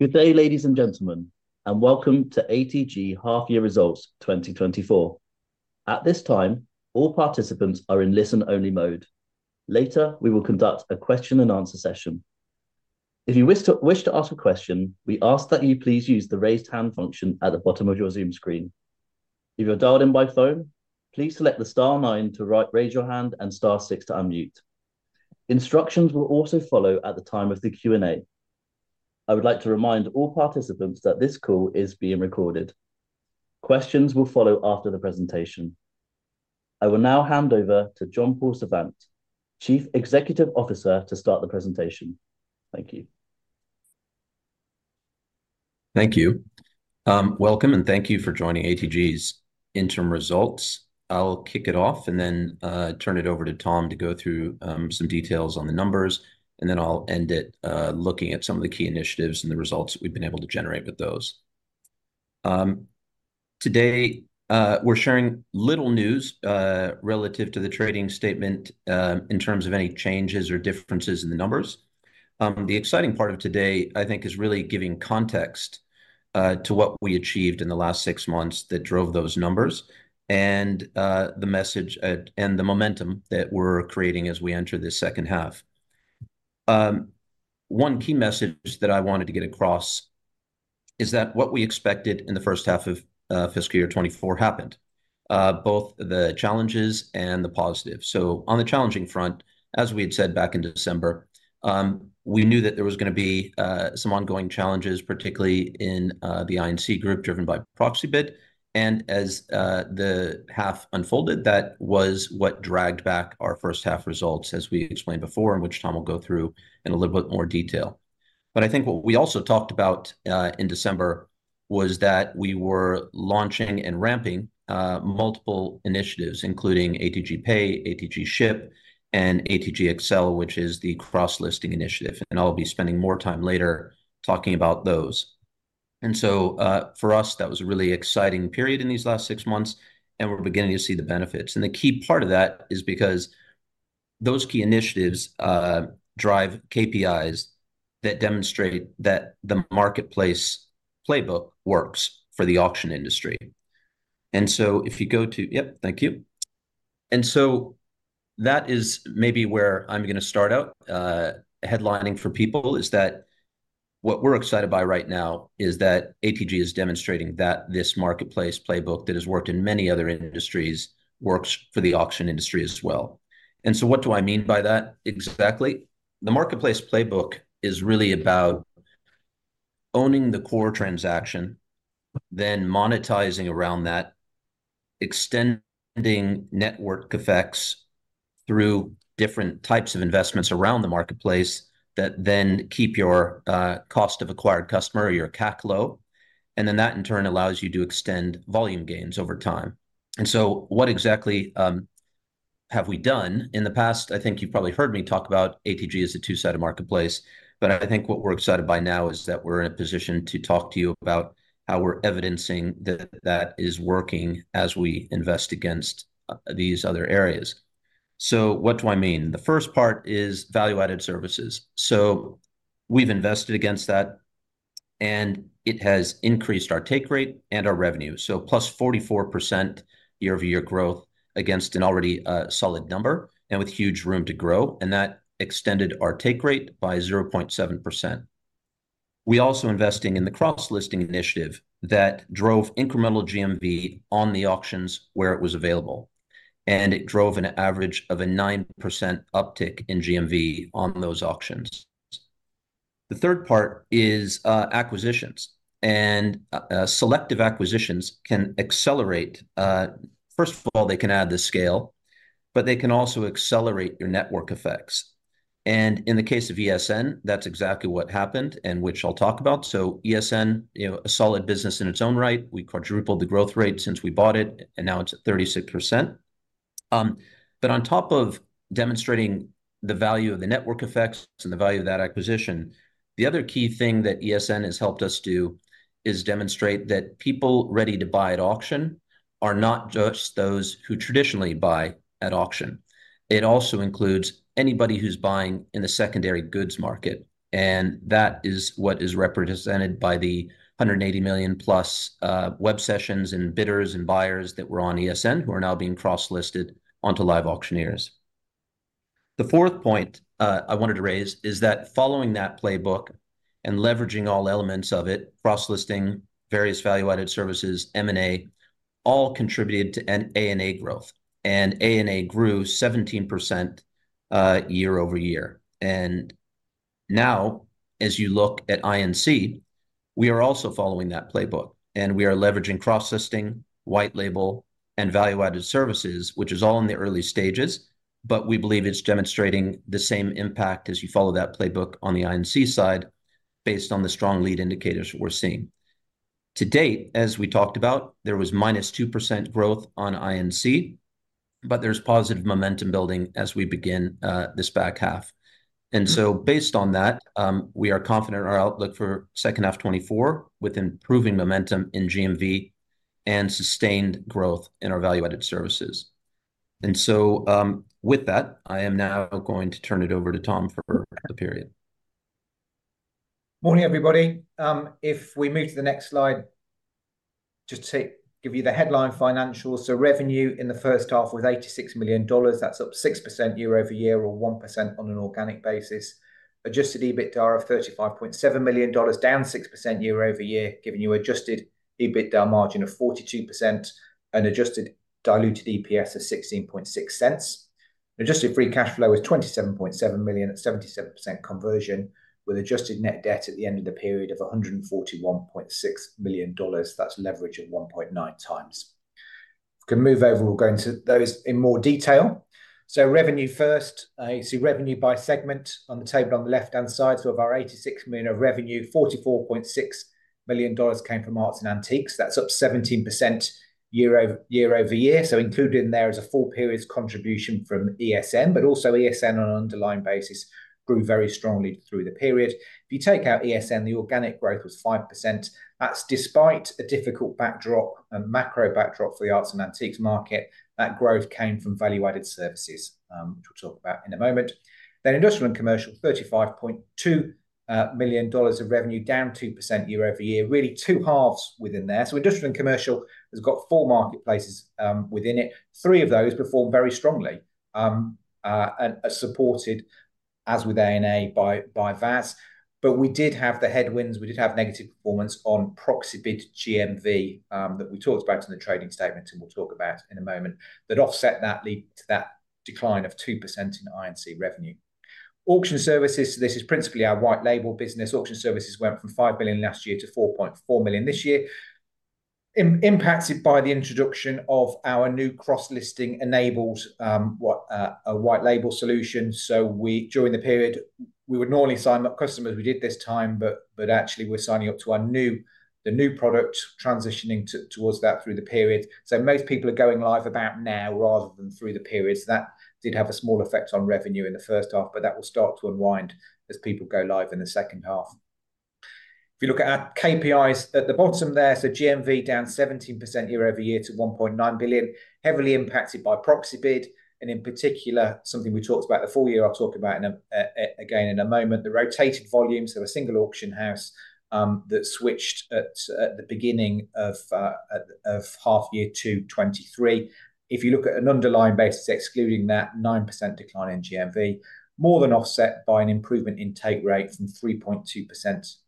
Good day, ladies and gentlemen, and welcome to ATG Half Year Results 2024. At this time, all participants are in listen-only mode. Later, we will conduct a question and answer session. If you wish to ask a question, we ask that you please use the Raise Hand function at the bottom of your Zoom screen. If you're dialed in by phone, please select the star nine to raise your hand and star six to unmute. Instructions will also follow at the time of the Q&A. I would like to remind all participants that this call is being recorded. Questions will follow after the presentation. I will now hand over to John-Paul Savant, Chief Executive Officer, to start the presentation. Thank you. Thank you. Welcome, and thank you for joining ATG's Interim Results. I'll kick it off and then turn it over to Tom to go through some details on the numbers, and then I'll end it looking at some of the key initiatives and the results we've been able to generate with those. Today, we're sharing little news relative to the trading statement in terms of any changes or differences in the numbers. The exciting part of today, I think, is really giving context to what we achieved in the last six months that drove those numbers, and the message and the momentum that we're creating as we enter this second half. One key message that I wanted to get across is that what we expected in the first half of fiscal year 2024 happened, both the challenges and the positives. So on the challenging front, as we had said back in December, we knew that there was gonna be some ongoing challenges, particularly in the I&C group, driven by Proxibid. And as the half unfolded, that was what dragged back our first half results, as we explained before, and which Tom will go through in a little bit more detail. But I think what we also talked about in December was that we were launching and ramping multiple initiatives, including ATG Pay, ATG Ship, and ATG Accel, which is the cross-listing initiative, and I'll be spending more time later talking about those. And so, for us, that was a really exciting period in these last six months, and we're beginning to see the benefits. And the key part of that is because those key initiatives, drive KPIs that demonstrate that the marketplace playbook works for the auction industry. And so if you go to. Yep, thank you. And so that is maybe where I'm gonna start out. Headlining for people is that what we're excited by right now is that ATG is demonstrating that this marketplace playbook that has worked in many other industries, works for the auction industry as well. And so what do I mean by that exactly? The marketplace playbook is really about owning the core transaction, then monetizing around that, extending network effects through different types of investments around the marketplace, that then keep your cost of acquired customer, or your CAC, low, and then that, in turn, allows you to extend volume gains over time. So what exactly have we done? In the past, I think you've probably heard me talk about ATG as a two-sided marketplace, but I think what we're excited by now is that we're in a position to talk to you about how we're evidencing that that is working as we invest against these other areas. So what do I mean? The first part is value-added services. So we've invested against that, and it has increased our take rate and our revenue. So plus 44% year-over-year growth against an already solid number, and with huge room to grow, and that extended our take rate by 0.7%. We're also investing in the cross-listing initiative that drove incremental GMV on the auctions where it was available, and it drove an average of a 9% uptick in GMV on those auctions. The third part is acquisitions, and selective acquisitions can accelerate. First of all, they can add the scale, but they can also accelerate your network effects. And in the case of ESN, that's exactly what happened, and which I'll talk about. So ESN, you know, a solid business in its own right. We quadrupled the growth rate since we bought it, and now it's at 36%. But on top of demonstrating the value of the network effects and the value of that acquisition, the other key thing that ESN has helped us do is demonstrate that people ready to buy at auction are not just those who traditionally buy at auction. It also includes anybody who's buying in the secondary goods market, and that is what is represented by the 180 million+ web sessions and bidders and buyers that were on ESN, who are now being cross-listed onto LiveAuctioneers. The fourth point I wanted to raise is that following that playbook and leveraging all elements of it, cross-listing, various value-added services, M&A, all contributed to an A&A growth, and A&A grew 17% year-over-year. Now, as you look at I&C, we are also following that playbook, and we are leveraging cross-listing, white label, and value-added services, which is all in the early stages, but we believe it's demonstrating the same impact as you follow that playbook on the I&C side, based on the strong lead indicators we're seeing. To date, as we talked about, there was -2% growth on I&C, but there's positive momentum building as we begin this back half. So based on that, we are confident in our outlook for second half 2024, with improving momentum in GMV and sustained growth in our value-added services. So, with that, I am now going to turn it over to Tom for the period. Morning, everybody. If we move to the next slide, just to give you the headline financials. So revenue in the first half was $86 million. That's up 6% year-over-year, or 1% on an organic basis. Adjusted EBITDA of $35.7 million, down 6% year-over-year, giving you adjusted EBITDA margin of 42% and adjusted diluted EPS of $0.166. Adjusted free cash flow is $27.7 million at 77% conversion, with adjusted net debt at the end of the period of $141.6 million. That's leverage at 1.9x. We can move over. We'll go into those in more detail. So revenue first. You see revenue by segment on the table on the left-hand side. So of our 86 million of revenue, $44.6 million came from arts and antiques. That's up 17% year-over-year. So included in there is a full period's contribution from ESN, but also ESN on an underlying basis grew very strongly through the period. If you take out ESN, the organic growth was 5%. That's despite a difficult backdrop, a macro backdrop for the arts and antiques market. That growth came from value-added services, which we'll talk about in a moment. Then industrial and commercial, $35.2 million of revenue, down 2% year-over-year. Really two halves within there. So industrial and commercial has got four marketplaces within it. Three of those performed very strongly and are supported, as with A&A, by VAS. But we did have the headwinds. We did have negative performance on Proxibid GMV, that we talked about in the trading statement, and we'll talk about in a moment. That offset that led to that decline of 2% in I&C revenue. Auction services, so this is principally our white label business. Auction services went from $5 million last year to $4.4 million this year. Impacted by the introduction of our new cross-listing enabled white label solution. So we, during the period, we would normally sign up customers, we did this time, but actually we're signing up to our new, the new product, transitioning towards that through the period. So most people are going live about now rather than through the period. So that did have a small effect on revenue in the first half, but that will start to unwind as people go live in the second half. If you look at our KPIs at the bottom there, so GMV down 17% year-over-year to $1.9 billion, heavily impacted by Proxibid, and in particular, something we talked about the full year. I'll talk about in a, again in a moment, the rotated volumes of a single auction house, that switched at the beginning of half year 2 2023. If you look at an underlying basis, excluding that 9% decline in GMV, more than offset by an improvement in take rate from 3.2%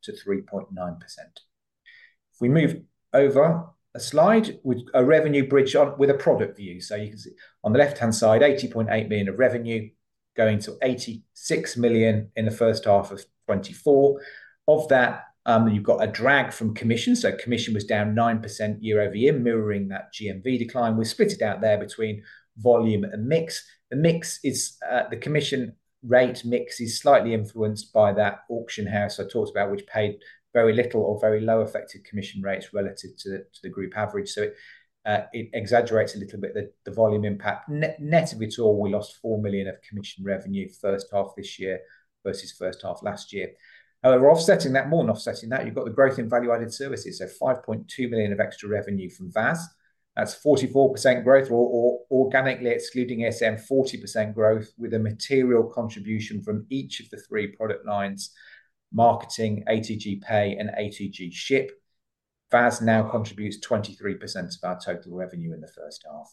to 3.9%. If we move over a slide, with a revenue bridge on... with a product view. So you can see on the left-hand side, $80.8 million of revenue, going to $86 million in the first half of 2024. Of that, you've got a drag from commission, so commission was down 9% year-over-year, mirroring that GMV decline. We split it out there between volume and mix. The mix is, the commission rate mix is slightly influenced by that auction house I talked about, which paid very little or very low effective commission rates relative to the group average. So, it exaggerates a little bit the volume impact. Net, net of it all, we lost $4 million of commission revenue first half this year versus first half last year. However, offsetting that, more than offsetting that, you've got the growth in value-added services, so $5.2 million of extra revenue from VAS. That's 44% growth, or, or organically excluding ESN, 40% growth, with a material contribution from each of the three product lines, marketing, ATG Pay, and ATG Ship. VAS now contributes 23% of our total revenue in the first half.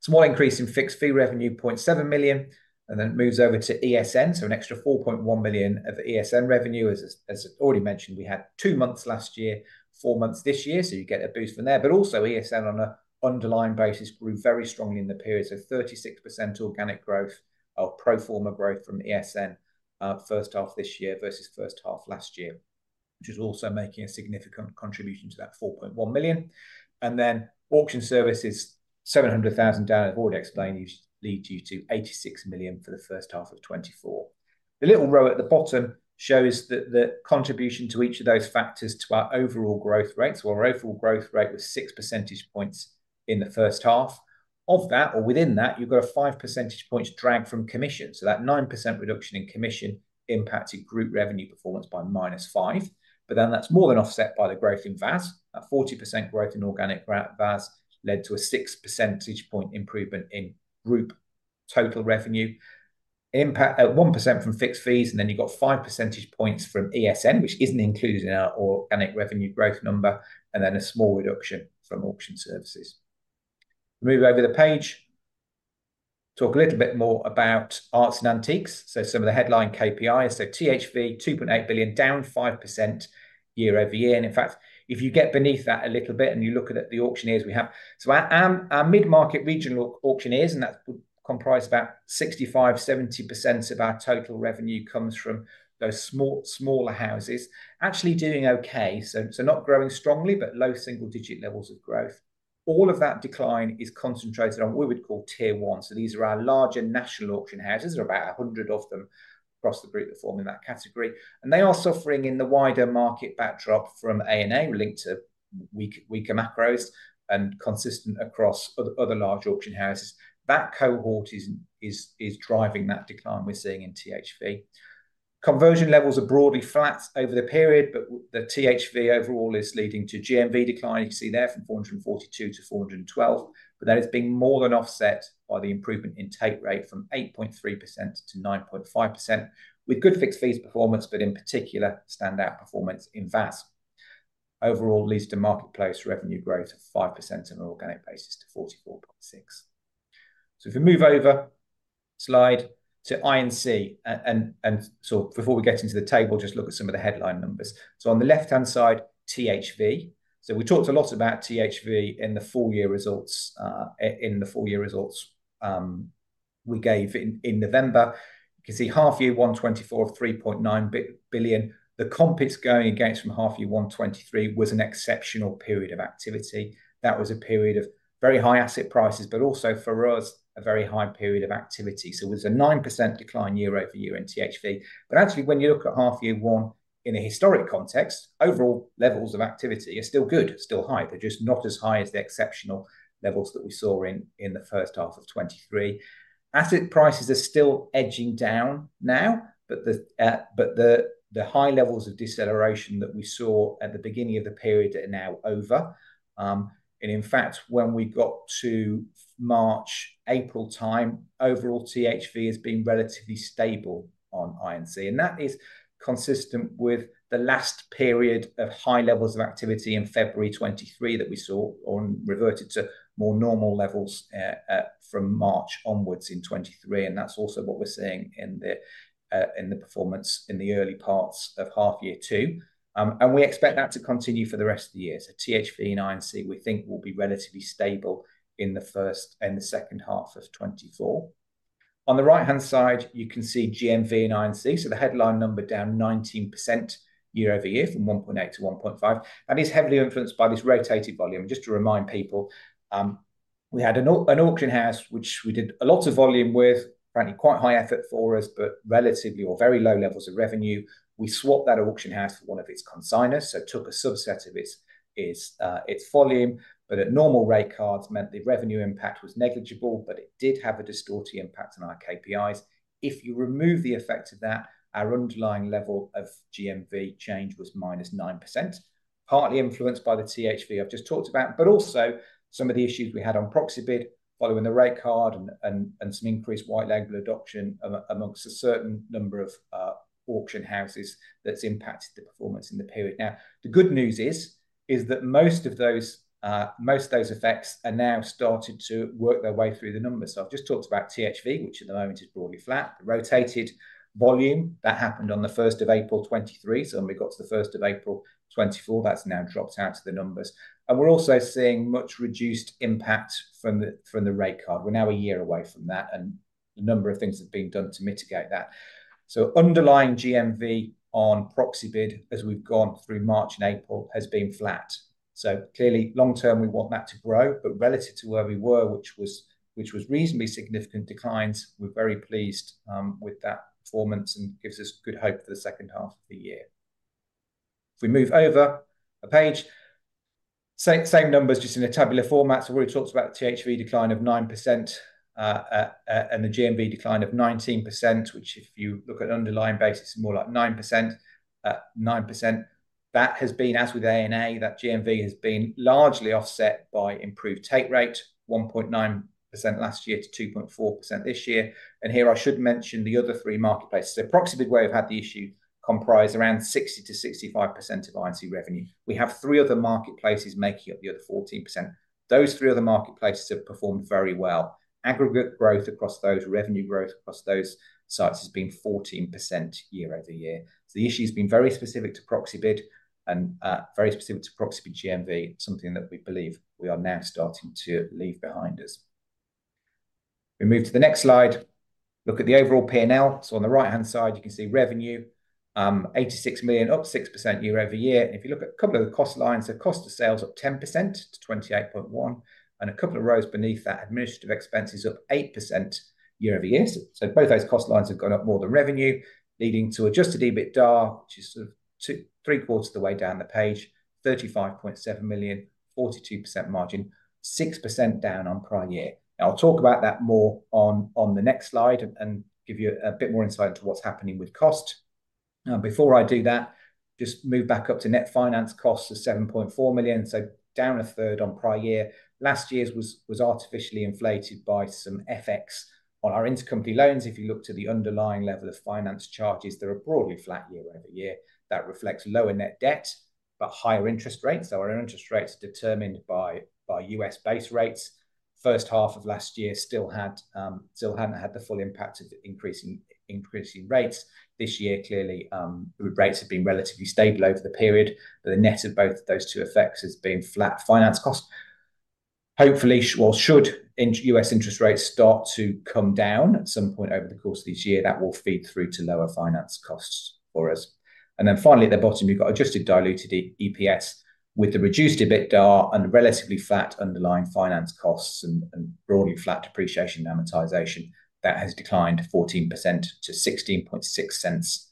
Small increase in fixed fee revenue, $0.7 million, and then it moves over to ESN, so an extra $4.1 million of ESN revenue. As, as already mentioned, we had 2 months last year, 4 months this year, so you get a boost from there. But also ESN, on an underlying basis, grew very strongly in the period, so 36% organic growth or pro forma growth from ESN, first half this year versus first half last year, which is also making a significant contribution to that $4.1 million. Then auction services, $700,000 down, I've already explained, leads you to $86 million for the first half of 2024. The little row at the bottom shows the contribution to each of those factors to our overall growth rates. So our overall growth rate was 6 percentage points in the first half. Of that, or within that, you've got a 5 percentage points drag from commission. So that 9% reduction in commission impacted group revenue performance by -5, but then that's more than offset by the growth in VAS. That 40% growth in organic VAS led to a 6 percentage point improvement in group total revenue. Impact at 1% from fixed fees, and then you've got 5 percentage points from ESN, which isn't included in our organic revenue growth number, and then a small reduction from auction services. Move over the page. Talk a little bit more about arts and antiques, so some of the headline KPIs. So THV, $2.8 billion, down 5% year-over-year. And in fact, if you get beneath that a little bit and you look at the auctioneers we have. So our, our mid-market regional auctioneers, and that comprise about 65%-70% of our total revenue comes from those small, smaller houses, actually doing okay. So, so not growing strongly, but low single-digit levels of growth. All of that decline is concentrated on what we would call tier one. So these are our larger national auction houses. There are about 100 of them across the group that fall in that category, and they are suffering in the wider market backdrop from A&A, linked to weak, weaker macros and consistent across other, other large auction houses. That cohort is driving that decline we're seeing in THV. Conversion levels are broadly flat over the period, but the THV overall is leading to GMV decline. You can see there from 442 to 412, but that is being more than offset by the improvement in take rate from 8.3% to 9.5%, with good fixed fees performance, but in particular, standout performance in VAS. Overall, leads to marketplace revenue growth of 5% on an organic basis to 44.6. So if we move over, slide to I&C, and so before we get into the table, just look at some of the headline numbers. So on the left-hand side, THV. So we talked a lot about THV in the full year results we gave in November. You can see half year 1, 2024, $3.9 billion. The comp it's going against from half year 1, 2023, was an exceptional period of activity. That was a period of very high asset prices, but also for us, a very high period of activity. So it was a 9% decline year-over-year in THV. But actually, when you look at half year 1 in a historic context, overall levels of activity are still good, still high. They're just not as high as the exceptional levels that we saw in the first half of 2023. Asset prices are still edging down now, but the high levels of deceleration that we saw at the beginning of the period are now over. And in fact, when we got to March, April time, overall THV has been relatively stable on I&C, and that is consistent with the last period of high levels of activity in February 2023 that we saw or reverted to more normal levels from March onwards in 2023, and that's also what we're seeing in the performance in the early parts of half year two. And we expect that to continue for the rest of the year. So THV and I&C, we think will be relatively stable in the first and the second half of 2024. On the right-hand side, you can see GMV and I&C. So the headline number down 19% year-over-year from $1.8-$1.5, and is heavily influenced by this rotated volume. Just to remind people, we had an auction house, which we did a lot of volume with, frankly, quite high effort for us, but relatively or very low levels of revenue. We swapped that auction house for one of its consignors, so took a subset of its volume, but at normal rate cards meant the revenue impact was negligible, but it did have a distortive impact on our KPIs. If you remove the effect of that, our underlying level of GMV change was minus 9%, partly influenced by the THV I've just talked about, but also some of the issues we had on Proxibid following the rate card and some increased white label adoption amongst a certain number of auction houses that's impacted the performance in the period. Now, the good news is that most of those effects are now started to work their way through the numbers. So I've just talked about THV, which at the moment is broadly flat. The rotated volume that happened on the first of April 2023. So when we got to the first of April 2024, that's now dropped out of the numbers. And we're also seeing much reduced impact from the rate card. We're now a year away from that, and a number of things have been done to mitigate that. So underlying GMV on Proxibid as we've gone through March and April, has been flat. So clearly, long term, we want that to grow, but relative to where we were, which was reasonably significant declines, we're very pleased with that performance and gives us good hope for the second half of the year. If we move over a page, same, same numbers, just in a tabular format. So we already talked about the THV decline of 9%, and the GMV decline of 19%, which, if you look at an underlying basis, is more like 9%. 9%, that has been, as with A&A, that GMV has been largely offset by improved take rate, 1.9% last year to 2.4% this year. And here I should mention the other three marketplaces. So Proxibid, where we've had the issue, comprise around 60%-65% of I&C revenue. We have three other marketplaces making up the other 14%. Those three other marketplaces have performed very well. Aggregate growth across those, revenue growth across those sites has been 14% year-over-year. So the issue has been very specific to Proxibid and, very specific to Proxibid GMV, something that we believe we are now starting to leave behind us. We move to the next slide, look at the overall P&L. So on the right-hand side, you can see revenue $86 million, up 6% year-over-year. And if you look at a couple of the cost lines, the cost of sales up 10% to $28.1 million, and a couple of rows beneath that, administrative expenses up 8% year-over-year. So both those cost lines have gone up more than revenue, leading to adjusted EBITDA, which is sort of two, three-quarters of the way down the page, $35.7 million, 42% margin, 6% down on prior year. I'll talk about that more on the next slide and give you a bit more insight into what's happening with cost. Now, before I do that, just move back up to net finance costs of $7.4 million, so down a third on prior year. Last year's was artificially inflated by some FX on our intercompany loans. If you look to the underlying level of finance charges, they are broadly flat year-over-year. That reflects lower net debt, but higher interest rates. So our interest rates are determined by U.S. base rates. First half of last year still hadn't had the full impact of increasing rates. This year, clearly, rates have been relatively stable over the period, but the net of both of those two effects has been flat finance costs. Hopefully, well, should U.S. interest rates start to come down at some point over the course of this year, that will feed through to lower finance costs for us. And then finally, at the bottom, you've got adjusted diluted EPS with the reduced EBITDA and relatively flat underlying finance costs and broadly flat depreciation and amortization, that has declined 14% to $0.166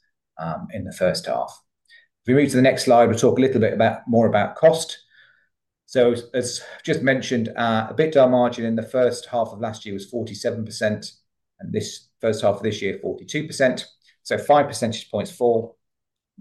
in the first half. If we move to the next slide, we'll talk a little bit about more about costs. So as just mentioned, EBITDA margin in the first half of last year was 47%, and this first half of this year, 42%. So 5 percentage points fall.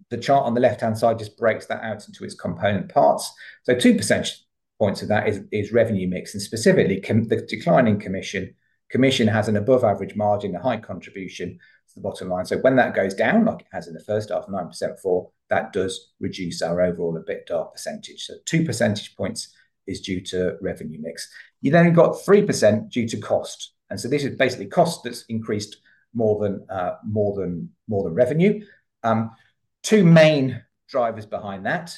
The chart on the left-hand side just breaks that out into its component parts. So 2 percentage points of that is revenue mix, and specifically, the declining commission. Commission has an above average margin, a high contribution to the bottom line. So when that goes down, like as in the first half, 9% fall, that does reduce our overall EBITDA percentage. So two percentage points is due to revenue mix. You then got 3% due to cost, and so this is basically cost that's increased more than revenue. Two main drivers behind that.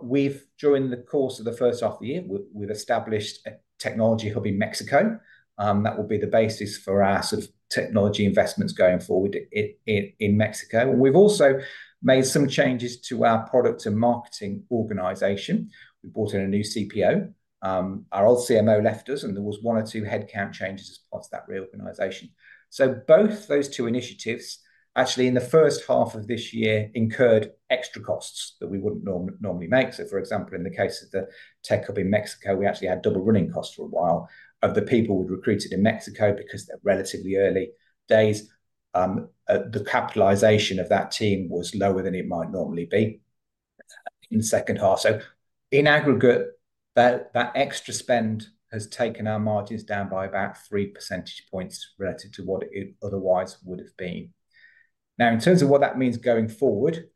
We've, during the course of the first half of the year, we've established a technology hub in Mexico. That will be the basis for our sort of technology investments going forward in Mexico. And we've also made some changes to our product and marketing organization. We brought in a new CPO. Our old CMO left us, and there was one or two headcount changes as part of that reorganization. So both those two initiatives, actually, in the first half of this year, incurred extra costs that we wouldn't normally make. So for example, in the case of the tech hub in Mexico, we actually had double running costs for a while of the people we'd recruited in Mexico, because they're relatively early days. The capitalization of that team was lower than it might normally be in the second half. So in aggregate, that extra spend has taken our margins down by about 3 percentage points relative to what it otherwise would have been. Now, in terms of what that means going forward,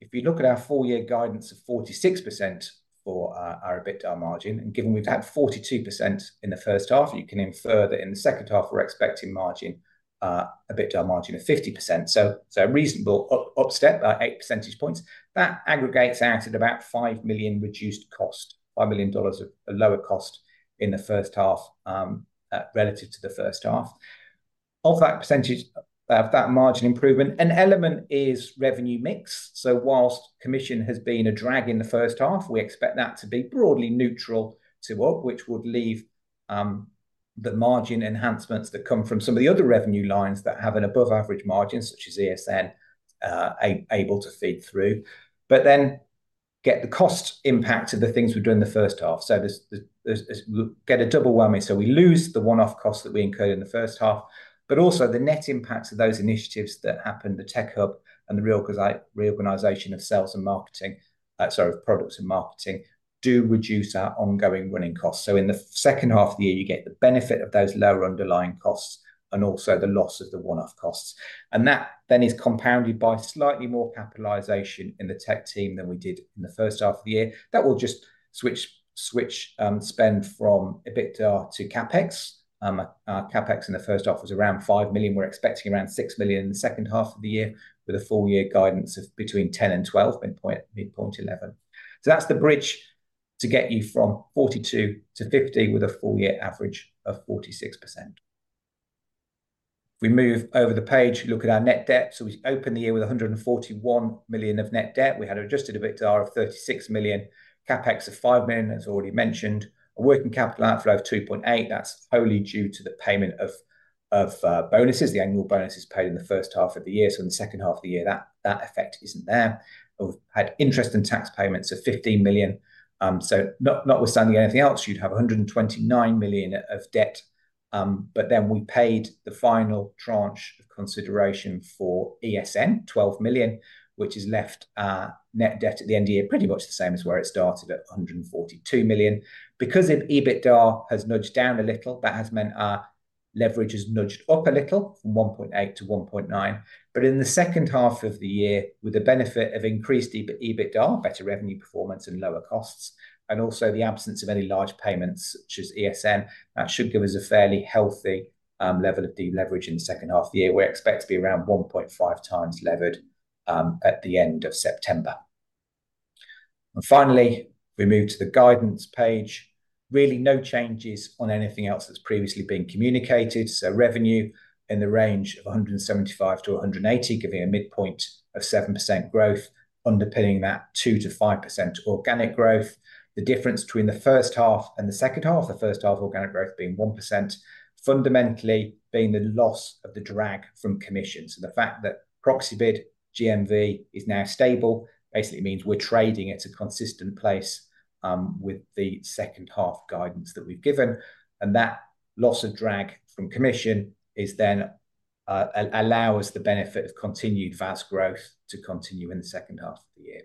if you look at our full year guidance of 46% for, uh, our EBITDA margin, and given we've had 42% in the first half, you can infer that in the second half we're expecting margin, uh, EBITDA margin of 50%. So, a reasonable upstep, about 8 percentage points. That aggregates out at about $5 million reduced cost, $5 million dollars of lower cost in the first half, relative to the first half. Of that percentage, of that margin improvement, an element is revenue mix. So whilst commission has been a drag in the first half, we expect that to be broadly neutral to what, which would leave, the margin enhancements that come from some of the other revenue lines that have an above average margin, such as ESN, able to feed through. But then get the cost impact of the things we do in the first half. So there's, we get a double whammy. So we lose the one-off cost that we incurred in the first half, but also the net impact of those initiatives that happened, the tech hub and the reorganization of sales and marketing, sorry, of products and marketing, do reduce our ongoing running costs. So in the second half of the year, you get the benefit of those lower underlying costs and also the loss of the one-off costs. And that then is compounded by slightly more capitalization in the tech team than we did in the first half of the year. That will just switch spend from EBITDA to CapEx. CapEx in the first half was around $5 million. We're expecting around $6 million in the second half of the year, with a full year guidance of between $10 million and $12 million, midpoint $11 million. So that's the bridge to get you from 42 to 50, with a full year average of 46%. We move over the page, look at our net debt. So we opened the year with $141 million of net debt. We had adjusted EBITDA of $36 million, CapEx of $5 million, as already mentioned, a working capital outflow of $2.8 million. That's wholly due to the payment of, of, bonuses, the annual bonuses paid in the first half of the year, so in the second half of the year, that, that effect isn't there. We've had interest and tax payments of $15 million. So not, notwithstanding anything else, you'd have $129 million of debt. But then we paid the final tranche of consideration for ESN, $12 million, which has left our net debt at the end of year pretty much the same as where it started, at $142 million. Because EBITDA has nudged down a little, that has meant our leverage is nudged up a little from 1.8 to 1.9. But in the second half of the year, with the benefit of increased EBITDA, better revenue performance and lower costs, and also the absence of any large payments such as ESN, that should give us a fairly healthy level of deleverage in the second half of the year. We expect to be around 1.5 times levered at the end of September. And finally, we move to the guidance page. Really no changes on anything else that's previously been communicated. So revenue in the range of $175-$180, giving a midpoint of 7% growth, underpinning that 2%-5% organic growth. The difference between the first half and the second half, the first half organic growth being 1%, fundamentally being the loss of the drag from commission. So the fact that Proxibid GMV is now stable basically means we're trading at a consistent place with the second half guidance that we've given, and that loss of drag from commission is then allows the benefit of continued fast growth to continue in the second half of the year.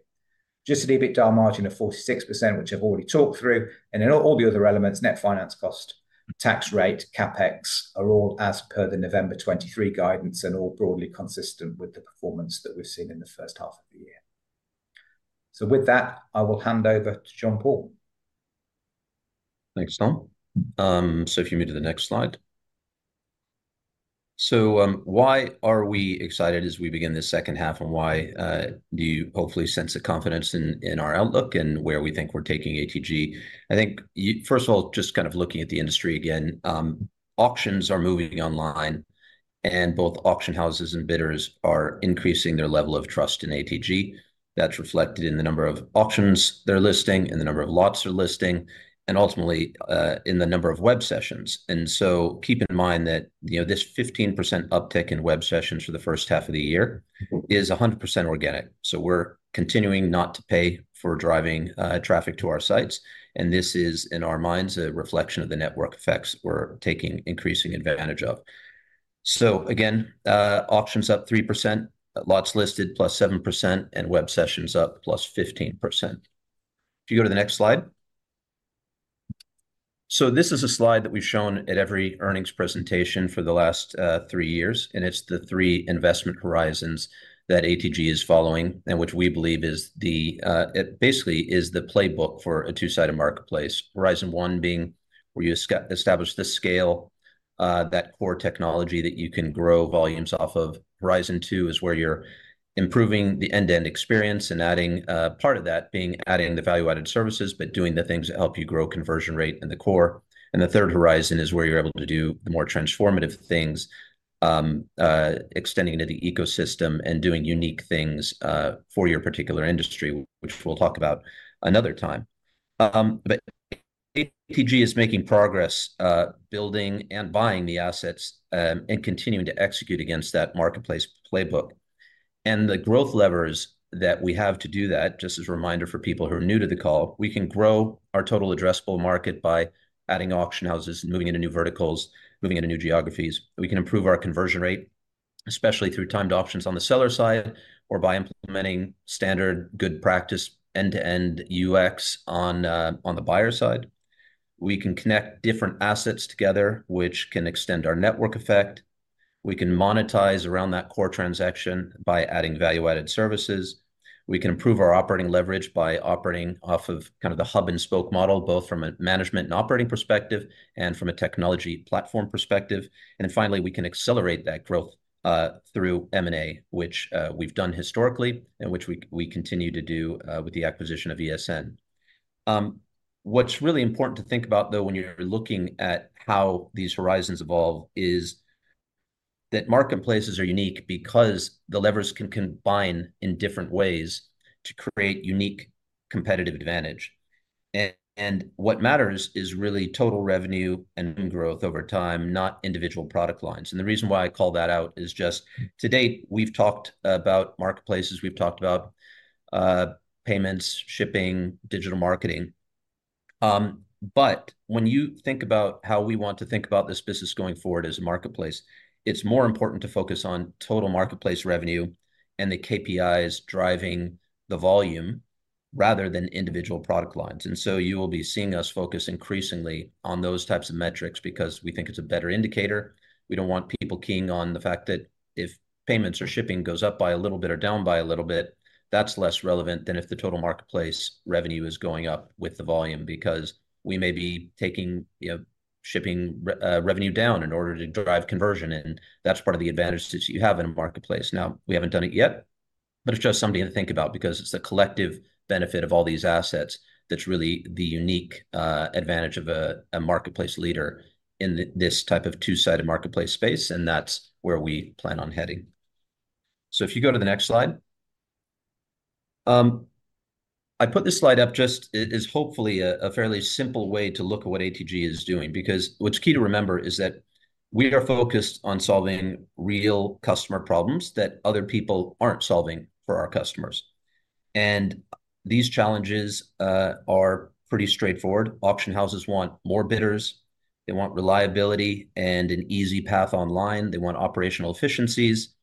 Adjusted EBITDA margin of 46%, which I've already talked through, and then all the other elements, net finance cost, tax rate, CapEx, are all as per the November 2023 guidance and all broadly consistent with the performance that we've seen in the first half of the year. So with that, I will hand over to John-Paul. Thanks, Tom. So if you move to the next slide. So, why are we excited as we begin this second half, and why do you hopefully sense the confidence in, in our outlook and where we think we're taking ATG? I think, first of all, just kind of looking at the industry again, auctions are moving online, and both auction houses and bidders are increasing their level of trust in ATG. That's reflected in the number of auctions they're listing, in the number of lots they're listing, and ultimately in the number of web sessions. And so keep in mind that, you know, this 15% uptick in web sessions for the first half of the year is 100% organic. So we're continuing not to pay for driving, traffic to our sites, and this is, in our minds, a reflection of the network effects we're taking increasing advantage of. So again, auctions up 3%, lots listed plus 7%, and web sessions up plus 15%. If you go to the next slide? So this is a slide that we've shown at every earnings presentation for the last three years, and it's the three investment horizons that ATG is following, and which we believe is the, it basically is the playbook for a two-sided marketplace. Horizon one being where you establish the scale, that core technology that you can grow volumes off of. Horizon two is where you're improving the end-to-end experience and adding, part of that being adding the value-added services, but doing the things that help you grow conversion rate in the core. And the third horizon is where you're able to do the more transformative things, extending into the ecosystem and doing unique things, for your particular industry, which we'll talk about another time. But ATG is making progress, building and buying the assets, and continuing to execute against that marketplace playbook. And the growth levers that we have to do that, just as a reminder for people who are new to the call, we can grow our total addressable market by adding auction houses and moving into new verticals, moving into new geographies. We can improve our conversion rate, especially through timed auctions on the seller side, or by implementing standard good practice end-to-end UX on the buyer side. We can connect different assets together, which can extend our network effect. We can monetize around that core transaction by adding value-added services. We can improve our operating leverage by operating off of kind of the hub-and-spoke model, both from a management and operating perspective, and from a technology platform perspective. And then finally, we can accelerate that growth through M&A, which we've done historically, and which we continue to do with the acquisition of ESN. What's really important to think about, though, when you're looking at how these horizons evolve, is that marketplaces are unique because the levers can combine in different ways to create unique competitive advantage. What matters is really total revenue and growth over time, not individual product lines. The reason why I call that out is just to date, we've talked about marketplaces, we've talked about payments, shipping, digital marketing. But when you think about how we want to think about this business going forward as a marketplace, it's more important to focus on total marketplace revenue and the KPIs driving the volume, rather than individual product lines. So you will be seeing us focus increasingly on those types of metrics because we think it's a better indicator. We don't want people keying on the fact that if payments or shipping goes up by a little bit or down by a little bit, that's less relevant than if the total marketplace revenue is going up with the volume. Because we may be taking, you know, shipping revenue down in order to drive conversion, and that's part of the advantage that you have in a marketplace. Now, we haven't done it yet, but it's just something to think about, because it's the collective benefit of all these assets that's really the unique advantage of a marketplace leader in this type of two-sided marketplace space, and that's where we plan on heading. So if you go to the next slide. I put this slide up just... It is hopefully a fairly simple way to look at what ATG is doing, because what's key to remember is that we are focused on solving real customer problems that other people aren't solving for our customers. These challenges are pretty straightforward. Auction houses want more bidders, they want reliability and an easy path online. They want operational efficiencies.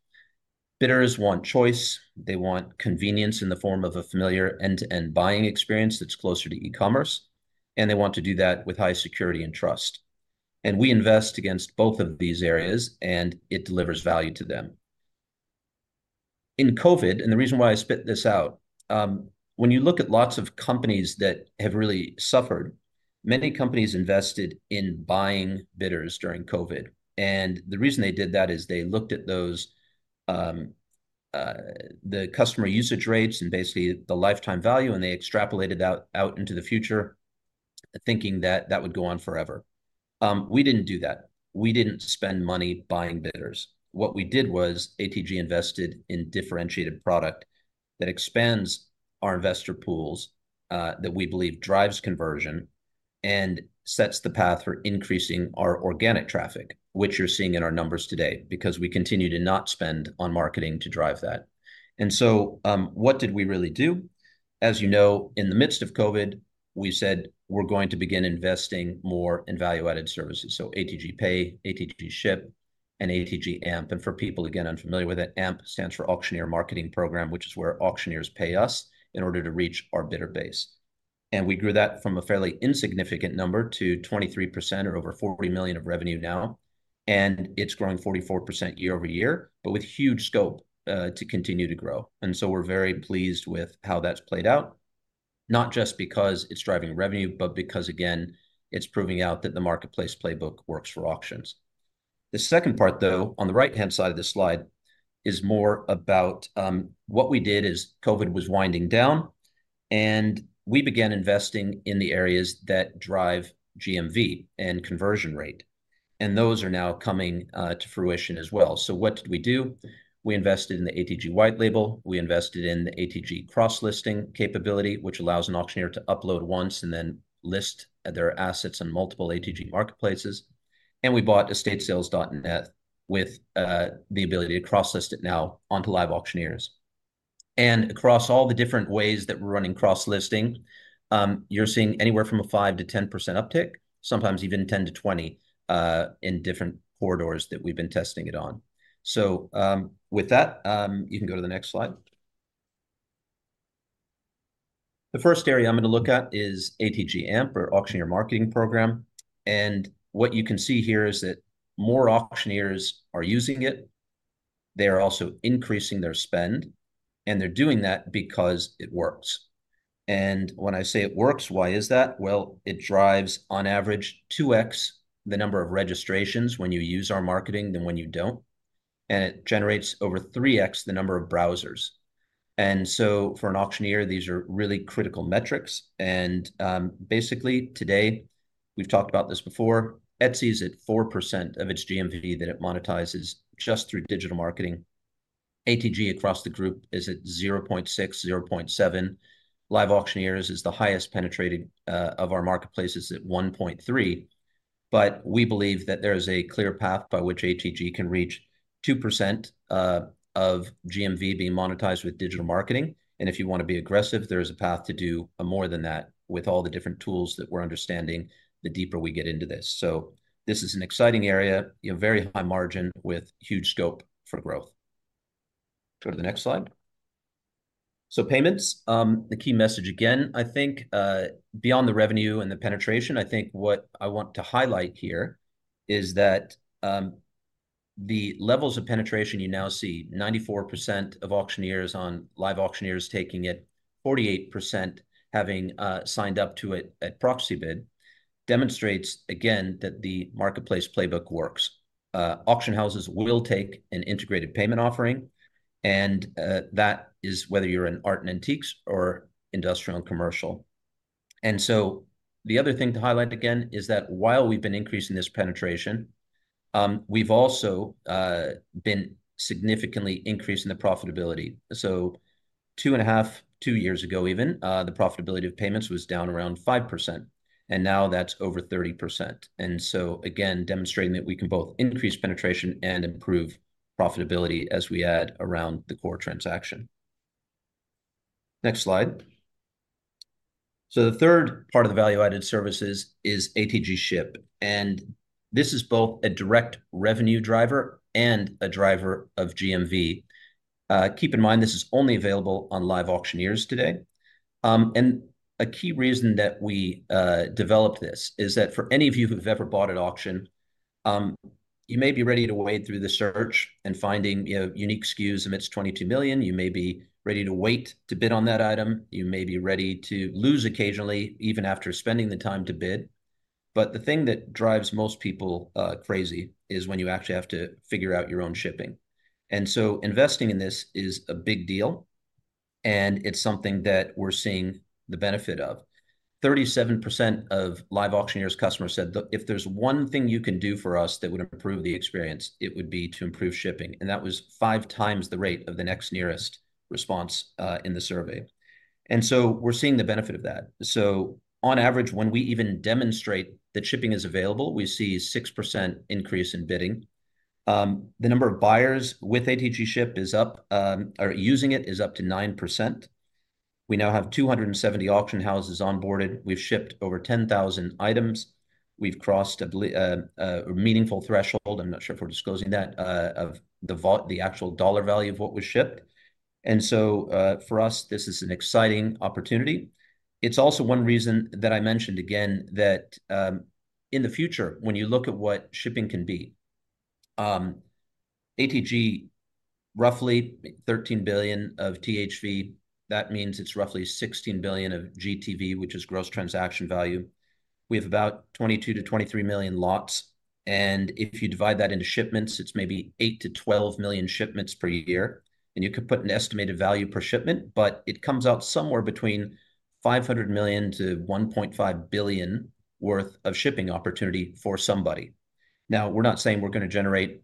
Bidders want choice, they want convenience in the form of a familiar end-to-end buying experience that's closer to e-commerce, and they want to do that with high security and trust. And we invest against both of these areas, and it delivers value to them. In COVID, and the reason why I spit this out, when you look at lots of companies that have really suffered, many companies invested in buying bidders during COVID, and the reason they did that is they looked at those, the customer usage rates and basically the lifetime value, and they extrapolated out into the future, thinking that that would go on forever. We didn't do that. We didn't spend money buying bidders. What we did was ATG invested in differentiated product that expands our investor pools, that we believe drives conversion and sets the path for increasing our organic traffic, which you're seeing in our numbers today, because we continue to not spend on marketing to drive that. And so, what did we really do? As you know, in the midst of COVID, we said we're going to begin investing more in value-added services, so ATG Pay, ATG Ship, and ATG AMP. And for people, again, unfamiliar with it, AMP stands for Auctioneer Marketing Program, which is where auctioneers pay us in order to reach our bidder base. And we grew that from a fairly insignificant number to 23%, or over $40 million of revenue now, and it's growing 44% year-over-year, but with huge scope to continue to grow. And so we're very pleased with how that's played out, not just because it's driving revenue, but because, again, it's proving out that the marketplace playbook works for auctions. The second part, though, on the right-hand side of this slide, is more about what we did as COVID was winding down, and we began investing in the areas that drive GMV and conversion rate, and those are now coming to fruition as well. So what did we do? We invested in the ATG White Label. We invested in the ATG cross-listing capability, which allows an auctioneer to upload once and then list their assets on multiple ATG marketplaces. And we bought EstateSales.NET with the ability to cross-list it now onto LiveAuctioneers. Across all the different ways that we're running cross-listing, you're seeing anywhere from a 5%-10% uptick, sometimes even 10%-20%, in different corridors that we've been testing it on. With that, you can go to the next slide. The first area I'm gonna look at is ATG AMP, or Auctioneer Marketing Program, and what you can see here is that more auctioneers are using it. They're also increasing their spend, and they're doing that because it works. And when I say it works, why is that? Well, it drives, on average, 2x the number of registrations when you use our marketing than when you don't, and it generates over 3x the number of browsers. For an auctioneer, these are really critical metrics, and, basically, today, we've talked about this before, Etsy is at 4% of its GMV that it monetizes just through digital marketing. ATG across the group is at 0.6, 0.7. LiveAuctioneers is the highest penetrating of our marketplaces at 1.3. But we believe that there is a clear path by which ATG can reach 2% of GMV being monetized with digital marketing, and if you wanna be aggressive, there is a path to do more than that with all the different tools that we're understanding, the deeper we get into this. So this is an exciting area, you know, very high margin with huge scope for growth. Go to the next slide. So payments, the key message again, I think, beyond the revenue and the penetration, I think what I want to highlight here is that, the levels of penetration you now see, 94% of auctioneers on LiveAuctioneers taking it, 48% having signed up to it at Proxibid, demonstrates again that the marketplace playbook works. Auction houses will take an integrated payment offering, and that is whether you're in art and antiques or industrial and commercial. So the other thing to highlight again is that while we've been increasing this penetration, we've also been significantly increasing the profitability. So 2.5-2 years ago even, the profitability of payments was down around 5%, and now that's over 30%. And so again, demonstrating that we can both increase penetration and improve profitability as we add around the core transaction. Next slide. So the third part of the value-added services is ATG Ship, and this is both a direct revenue driver and a driver of GMV. Keep in mind, this is only available on Live Auctioneers today. And a key reason that we developed this is that for any of you who've ever bought at auction, you may be ready to wade through the search and finding, you know, unique SKUs amidst 22 million. You may be ready to wait to bid on that item. You may be ready to lose occasionally, even after spending the time to bid. But the thing that drives most people crazy is when you actually have to figure out your own shipping. So investing in this is a big deal, and it's something that we're seeing the benefit of. 37% of LiveAuctioneers customers said that, "If there's one thing you can do for us that would improve the experience, it would be to improve shipping," and that was five times the rate of the next nearest response in the survey. So we're seeing the benefit of that. So on average, when we even demonstrate that shipping is available, we see 6% increase in bidding. The number of buyers with ATG Ship is up, or using it, is up to 9%. We now have 270 auction houses onboarded. We've shipped over 10,000 items. We've crossed a meaningful threshold, I'm not sure if we're disclosing that, of the actual dollar value of what was shipped. So, for us, this is an exciting opportunity. It's also one reason that I mentioned again that, in the future, when you look at what shipping can be, ATG, roughly $13 billion of THV, that means it's roughly $16 billion of GTV, which is gross transaction value. We have about 22-23 million lots, and if you divide that into shipments, it's maybe 8-12 million shipments per year, and you could put an estimated value per shipment. It comes out somewhere between $500 million-$1.5 billion worth of shipping opportunity for somebody. Now, we're not saying we're gonna generate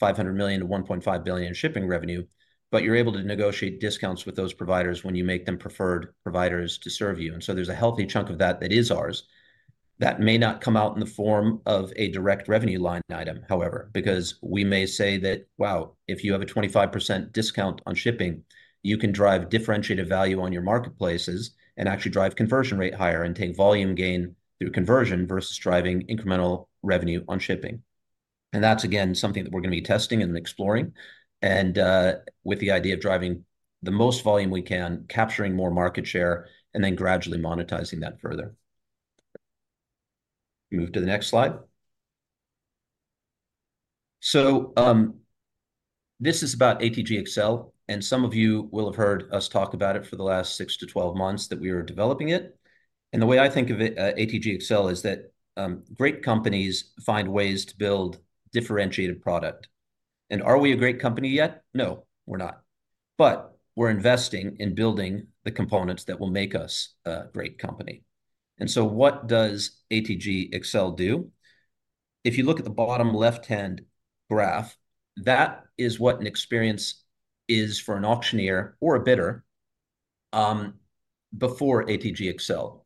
$500 million-$1.5 billion in shipping revenue, but you're able to negotiate discounts with those providers when you make them preferred providers to serve you, and so there's a healthy chunk of that that is ours. That may not come out in the form of a direct revenue line item, however, because we may say that, "Wow, if you have a 25% discount on shipping, you can drive differentiated value on your marketplaces and actually drive conversion rate higher and take volume gain through conversion versus driving incremental revenue on shipping." And that's, again, something that we're gonna be testing and exploring, and, with the idea of driving the most volume we can, capturing more market share, and then gradually monetizing that further. Move to the next slide. So, this is about ATG Accel, and some of you will have heard us talk about it for the last 6-12 months that we were developing it. The way I think of it, ATG Accel, is that great companies find ways to build differentiated product. Are we a great company yet? No, we're not. But we're investing in building the components that will make us a great company. So what does ATG Accel do? If you look at the bottom left-hand graph, that is what an experience is for an auctioneer or a bidder before ATG Accel.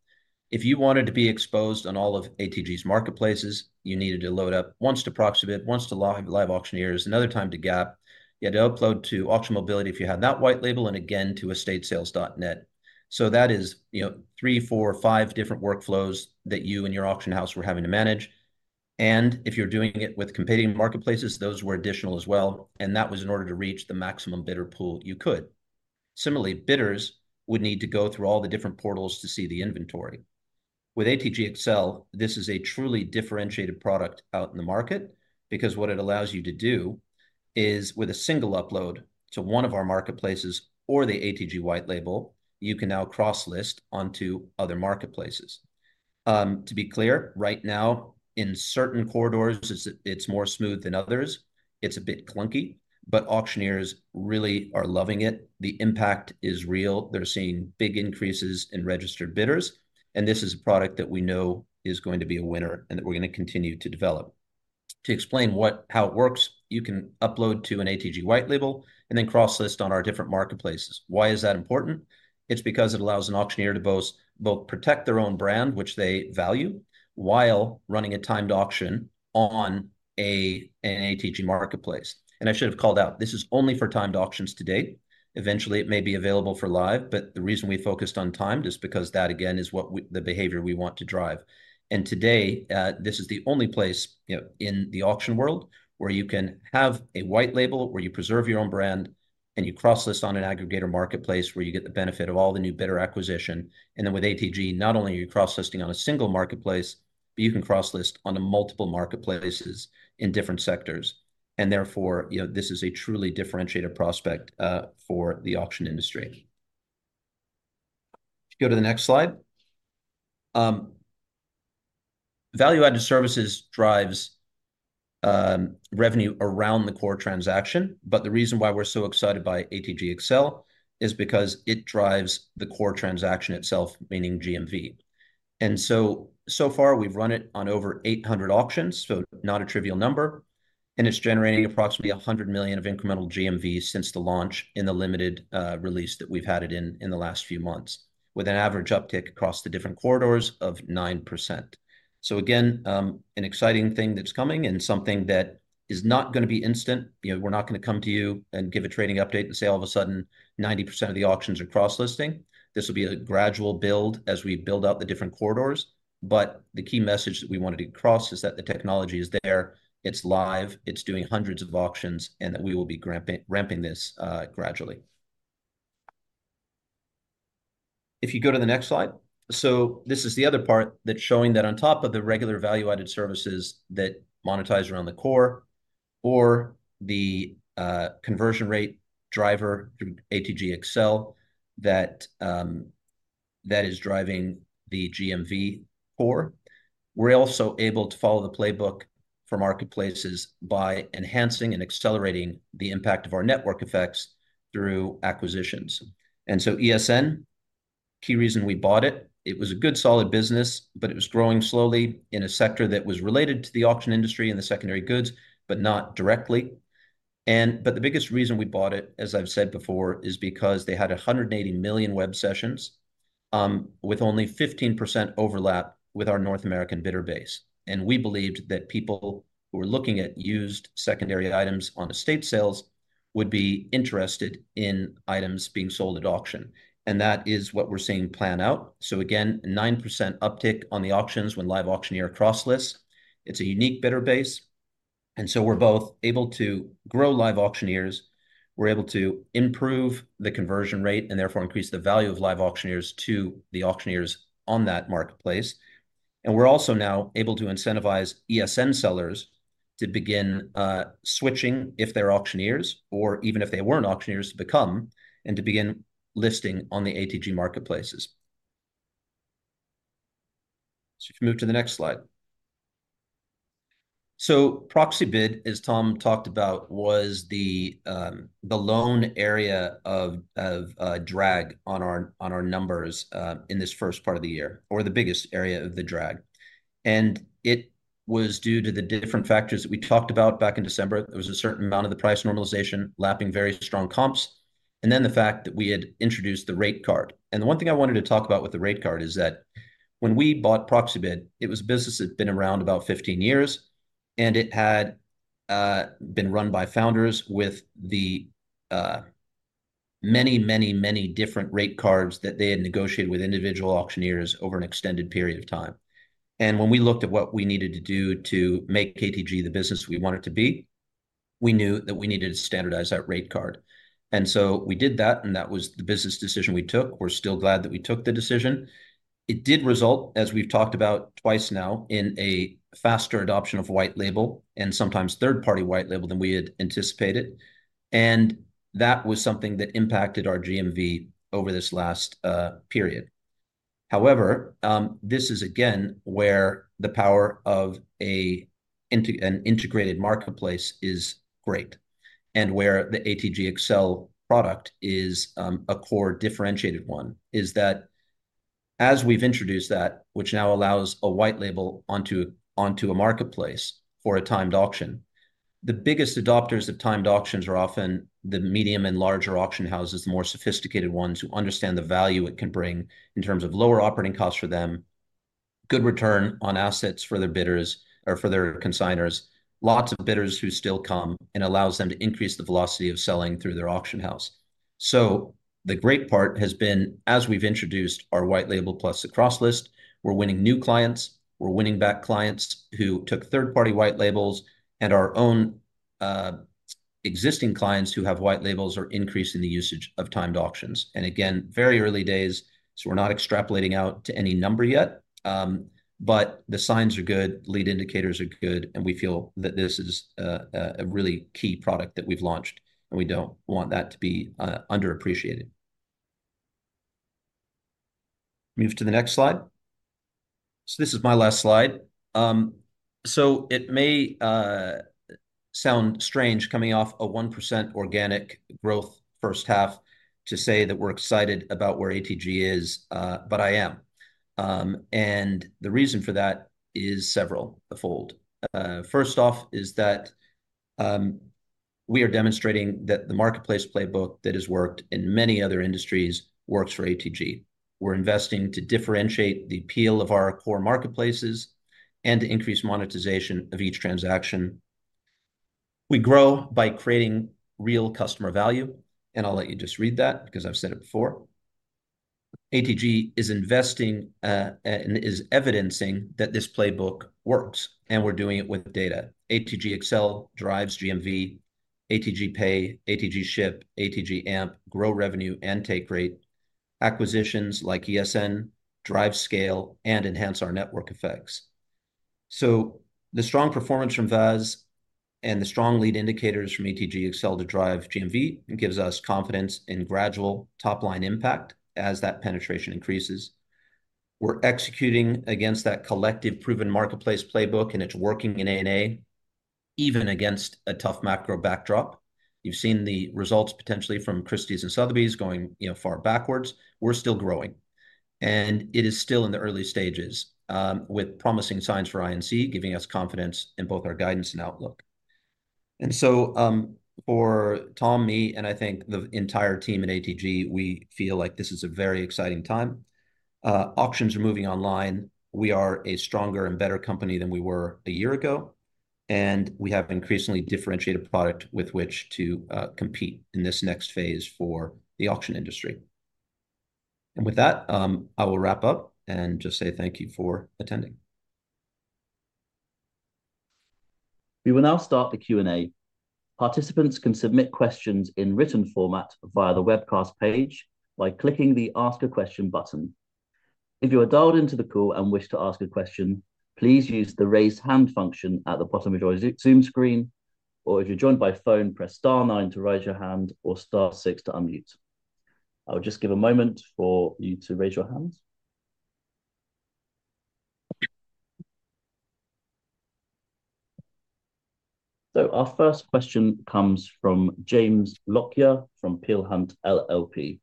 If you wanted to be exposed on all of ATG's marketplaces, you needed to load up once to Proxibid, once to LiveAuctioneers, another time to GAP. You had to upload to Auction Mobility if you had that white label, and again to EstateSales.NET. So that is, you know, 3, 4, 5 different workflows that you and your auction house were having to manage... and if you're doing it with competing marketplaces, those were additional as well, and that was in order to reach the maximum bidder pool you could. Similarly, bidders would need to go through all the different portals to see the inventory. With ATG Accel, this is a truly differentiated product out in the market, because what it allows you to do is, with a single upload to one of our marketplaces or the ATG White Label, you can now cross-list onto other marketplaces. To be clear, right now, in certain corridors, it's more smooth than others. It's a bit clunky, but auctioneers really are loving it. The impact is real. They're seeing big increases in registered bidders, and this is a product that we know is going to be a winner, and that we're gonna continue to develop. To explain what- how it works, you can upload to an ATG White Label and then cross-list on our different marketplaces. Why is that important? It's because it allows an auctioneer to both, both protect their own brand, which they value, while running a timed auction on a, an ATG marketplace. And I should have called out, this is only for timed auctions to date. Eventually, it may be available for live, but the reason we focused on timed is because that, again, is what we- the behavior we want to drive. Today, this is the only place, you know, in the auction world where you can have a white label, where you preserve your own brand, and you cross-list on an aggregator marketplace, where you get the benefit of all the new bidder acquisition. Then with ATG, not only are you cross-listing on a single marketplace, but you can cross-list onto multiple marketplaces in different sectors. Therefore, you know, this is a truly differentiated prospect for the auction industry. If you go to the next slide. Value-added services drives revenue around the core transaction, but the reason why we're so excited by ATG Accel is because it drives the core transaction itself, meaning GMV. So far, we've run it on over 800 auctions, so not a trivial number, and it's generating approximately $100 million of incremental GMV since the launch in the limited release that we've had it in, in the last few months, with an average uptick across the different corridors of 9%. So again, an exciting thing that's coming and something that is not gonna be instant. You know, we're not gonna come to you and give a trading update and say, all of a sudden, 90% of the auctions are cross-listing. This will be a gradual build as we build out the different corridors, but the key message that we wanted to cross is that the technology is there, it's live, it's doing hundreds of auctions, and that we will be ramping this gradually. If you go to the next slide. So this is the other part that's showing that on top of the regular value-added services that monetize around the core or the conversion rate driver through ATG Accel, that is driving the GMV core. We're also able to follow the playbook for marketplaces by enhancing and accelerating the impact of our network effects through acquisitions. And so ESN, key reason we bought it, it was a good, solid business, but it was growing slowly in a sector that was related to the auction industry and the secondary goods, but not directly. But the biggest reason we bought it, as I've said before, is because they had 180 million web sessions with only 15% overlap with our North American bidder base, and we believed that people who were looking at used secondary items on estate sales would be interested in items being sold at auction, and that is what we're seeing play out. So again, 9% uptick on the auctions when LiveAuctioneers cross-lists. It's a unique bidder base, and so we're both able to grow LiveAuctioneers. We're able to improve the conversion rate and therefore increase the value of LiveAuctioneers to the auctioneers on that marketplace. And we're also now able to incentivize ESN sellers to begin switching, if they're auctioneers, or even if they weren't auctioneers, to become and to begin listing on the ATG marketplaces. If you move to the next slide. Proxibid, as Tom talked about, was the lone area of drag on our numbers in this first part of the year, or the biggest area of the drag. And it was due to the different factors that we talked about back in December. There was a certain amount of the price normalization, lapping very strong comps, and then the fact that we had introduced the rate card. And the one thing I wanted to talk about with the rate card is that when we bought Proxibid, it was a business that had been around about 15 years, and it had been run by founders with the many, many, many different rate cards that they had negotiated with individual auctioneers over an extended period of time. When we looked at what we needed to do to make ATG the business we want it to be, we knew that we needed to standardize that rate card. So we did that, and that was the business decision we took. We're still glad that we took the decision. It did result, as we've talked about twice now, in a faster adoption of white label and sometimes third-party white label than we had anticipated, and that was something that impacted our GMV over this last period. However, this is again, where the power of an integrated marketplace is great, and where the ATG Accel product is a core differentiated one, is that as we've introduced that, which now allows a white label onto, onto a marketplace for a timed auction. The biggest adopters of timed auctions are often the medium and larger auction houses, the more sophisticated ones, who understand the value it can bring in terms of lower operating costs for them, good return on assets for their bidders or for their consignors, lots of bidders who still come, and allows them to increase the velocity of selling through their auction house. So the great part has been, as we've introduced our white label plus the cross list, we're winning new clients, we're winning back clients who took third-party white labels, and our own existing clients who have white labels are increasing the usage of timed auctions. And again, very early days, so we're not extrapolating out to any number yet. But the signs are good, lead indicators are good, and we feel that this is a really key product that we've launched, and we don't want that to be underappreciated. Move to the next slide. So this is my last slide. So it may sound strange coming off a 1% organic growth first half to say that we're excited about where ATG is, but I am. And the reason for that is several-fold. First off is that, we are demonstrating that the marketplace playbook that has worked in many other industries works for ATG. We're investing to differentiate the appeal of our core marketplaces and to increase monetization of each transaction. We grow by creating real customer value, and I'll let you just read that, because I've said it before. ATG is investing and is evidencing that this playbook works, and we're doing it with data. ATG Accel drives GMV, ATG Pay, ATG Ship, ATG AMP grow revenue and take rate. Acquisitions like ESN drive scale and enhance our network effects. So the strong performance from VAS and the strong lead indicators from ATG Accel to drive GMV, it gives us confidence in gradual top-line impact as that penetration increases. We're executing against that collective proven marketplace playbook, and it's working in A&A, even against a tough macro backdrop. You've seen the results potentially from Christie's and Sotheby's going, you know, far backwards. We're still growing, and it is still in the early stages with promising signs for I&C, giving us confidence in both our guidance and outlook. And so, for Tom, me, and I think the entire team at ATG, we feel like this is a very exciting time. Auctions are moving online. We are a stronger and better company than we were a year ago, and we have an increasingly differentiated product with which to compete in this next phase for the auction industry. And with that, I will wrap up and just say thank you for attending. We will now start the Q&A. Participants can submit questions in written format via the webcast page by clicking the Ask a Question button. If you are dialed into the call and wish to ask a question, please use the Raise Hand function at the bottom of your Zoom, Zoom screen, or if you're joined by phone, press star nine to raise your hand or star six to unmute. I'll just give a moment for you to raise your hands. Our first question comes from James Lockyer from Peel Hunt LLP.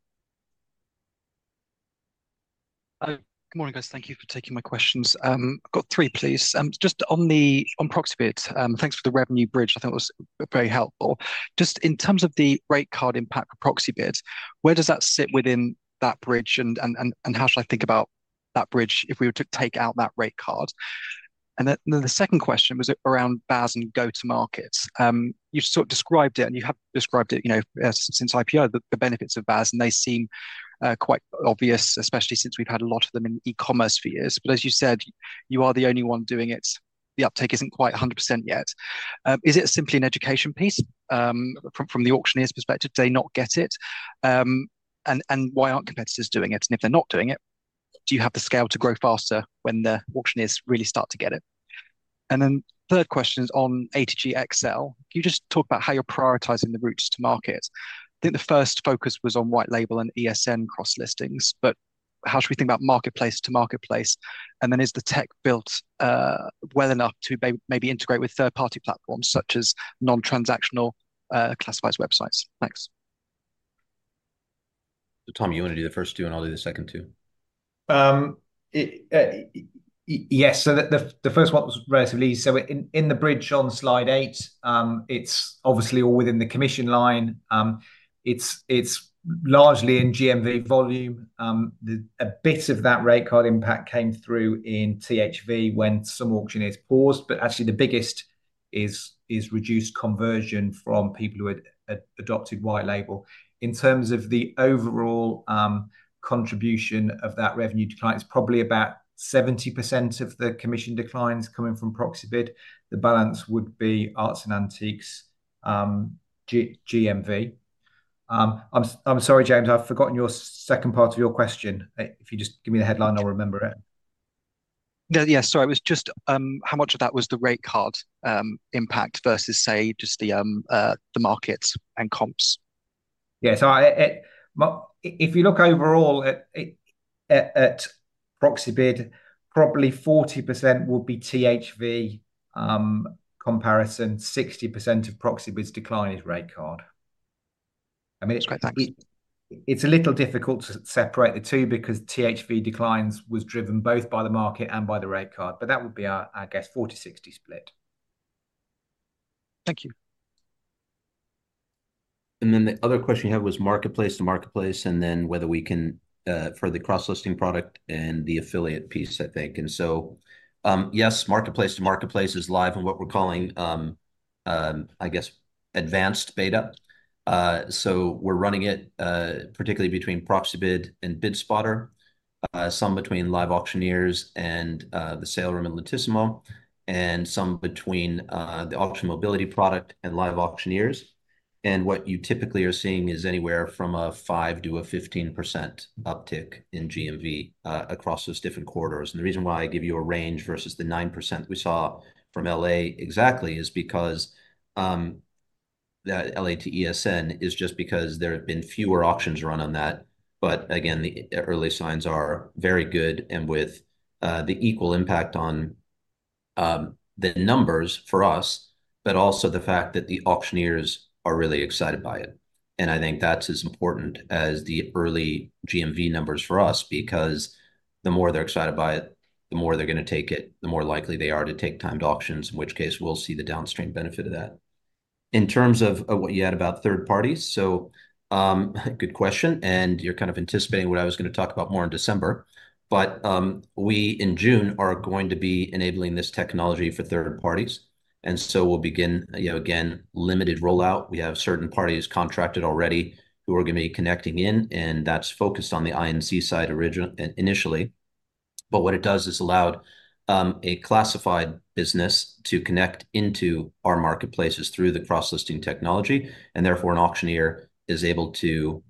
Good morning, guys. Thank you for taking my questions. I've got three, please. Just on Proxibid, thanks for the revenue bridge. I thought it was very helpful. Just in terms of the rate card impact for Proxibid, where does that sit within that bridge, and how should I think about that bridge if we were to take out that rate card? And the second question was around VAS and go-to-markets. You sort of described it, and you have described it, you know, since IPO, the benefits of VAS, and they seem quite obvious, especially since we've had a lot of them in e-commerce for years. But as you said, you are the only one doing it. The uptake isn't quite 100% yet. Is it simply an education piece from the auctioneer's perspective? Do they not get it? And why aren't competitors doing it? And if they're not doing it, do you have the scale to grow faster when the auctioneers really start to get it? And then third question is on ATG Accel. Can you just talk about how you're prioritizing the routes to market? I think the first focus was on white label and ESN cross-listings, but how should we think about marketplace to marketplace? And then is the tech built well enough to maybe integrate with third-party platforms, such as non-transactional classifieds websites? Thanks. So, Tom, you want to do the first two, and I'll do the second two? Yes. So the first one was relatively... So in the bridge on slide 8, it's obviously all within the commission line. It's largely in GMV volume. A bit of that rate card impact came through in THV when some auctioneers paused, but actually the biggest is reduced conversion from people who had adopted white label. In terms of the overall contribution of that revenue decline, it's probably about 70% of the commission declines coming from Proxibid. The balance would be arts and antiques GMV. I'm sorry, James, I've forgotten your second part of your question. If you just give me the headline, I'll remember it. No, yeah, sorry. It was just how much of that was the rate card impact versus, say, just the markets and comps? Yeah, so if you look overall at Proxibid, probably 40% would be THV comparison. 60% of Proxibid's decline is rate card. I mean, it's- Great, thanks It's a little difficult to separate the two, because THV declines was driven both by the market and by the rate card, but that would be our, I guess, 40-60 split. Thank you. And then the other question you had was marketplace to marketplace, and then whether we can for the cross-listing product and the affiliate piece, I think. And so, yes, marketplace to marketplace is live in what we're calling advanced beta. So we're running it, particularly between Proxibid and BidSpotter, some between LiveAuctioneers and the-saleroom and Lot-tissimo, and some between the Auction Mobility product and LiveAuctioneers. And what you typically are seeing is anywhere from a 5% to a 15% uptick in GMV across those different corridors. And the reason why I give you a range versus the 9% we saw from LA exactly is because that LA to ESN is just because there have been fewer auctions run on that. But again, the early signs are very good and with the equal impact on the numbers for us, but also the fact that the auctioneers are really excited by it. And I think that's as important as the early GMV numbers for us, because the more they're excited by it, the more they're gonna take it, the more likely they are to take timed auctions, in which case we'll see the downstream benefit of that. In terms of what you had about third parties, so good question, and you're kind of anticipating what I was gonna talk about more in December. But we in June are going to be enabling this technology for third parties, and so we'll begin, you know, again, limited rollout. We have certain parties contracted already who are gonna be connecting in, and that's focused on the I&C side originally initially. But what it does is allowed a classified business to connect into our marketplaces through the cross-listing technology, and therefore, an auctioneer is able to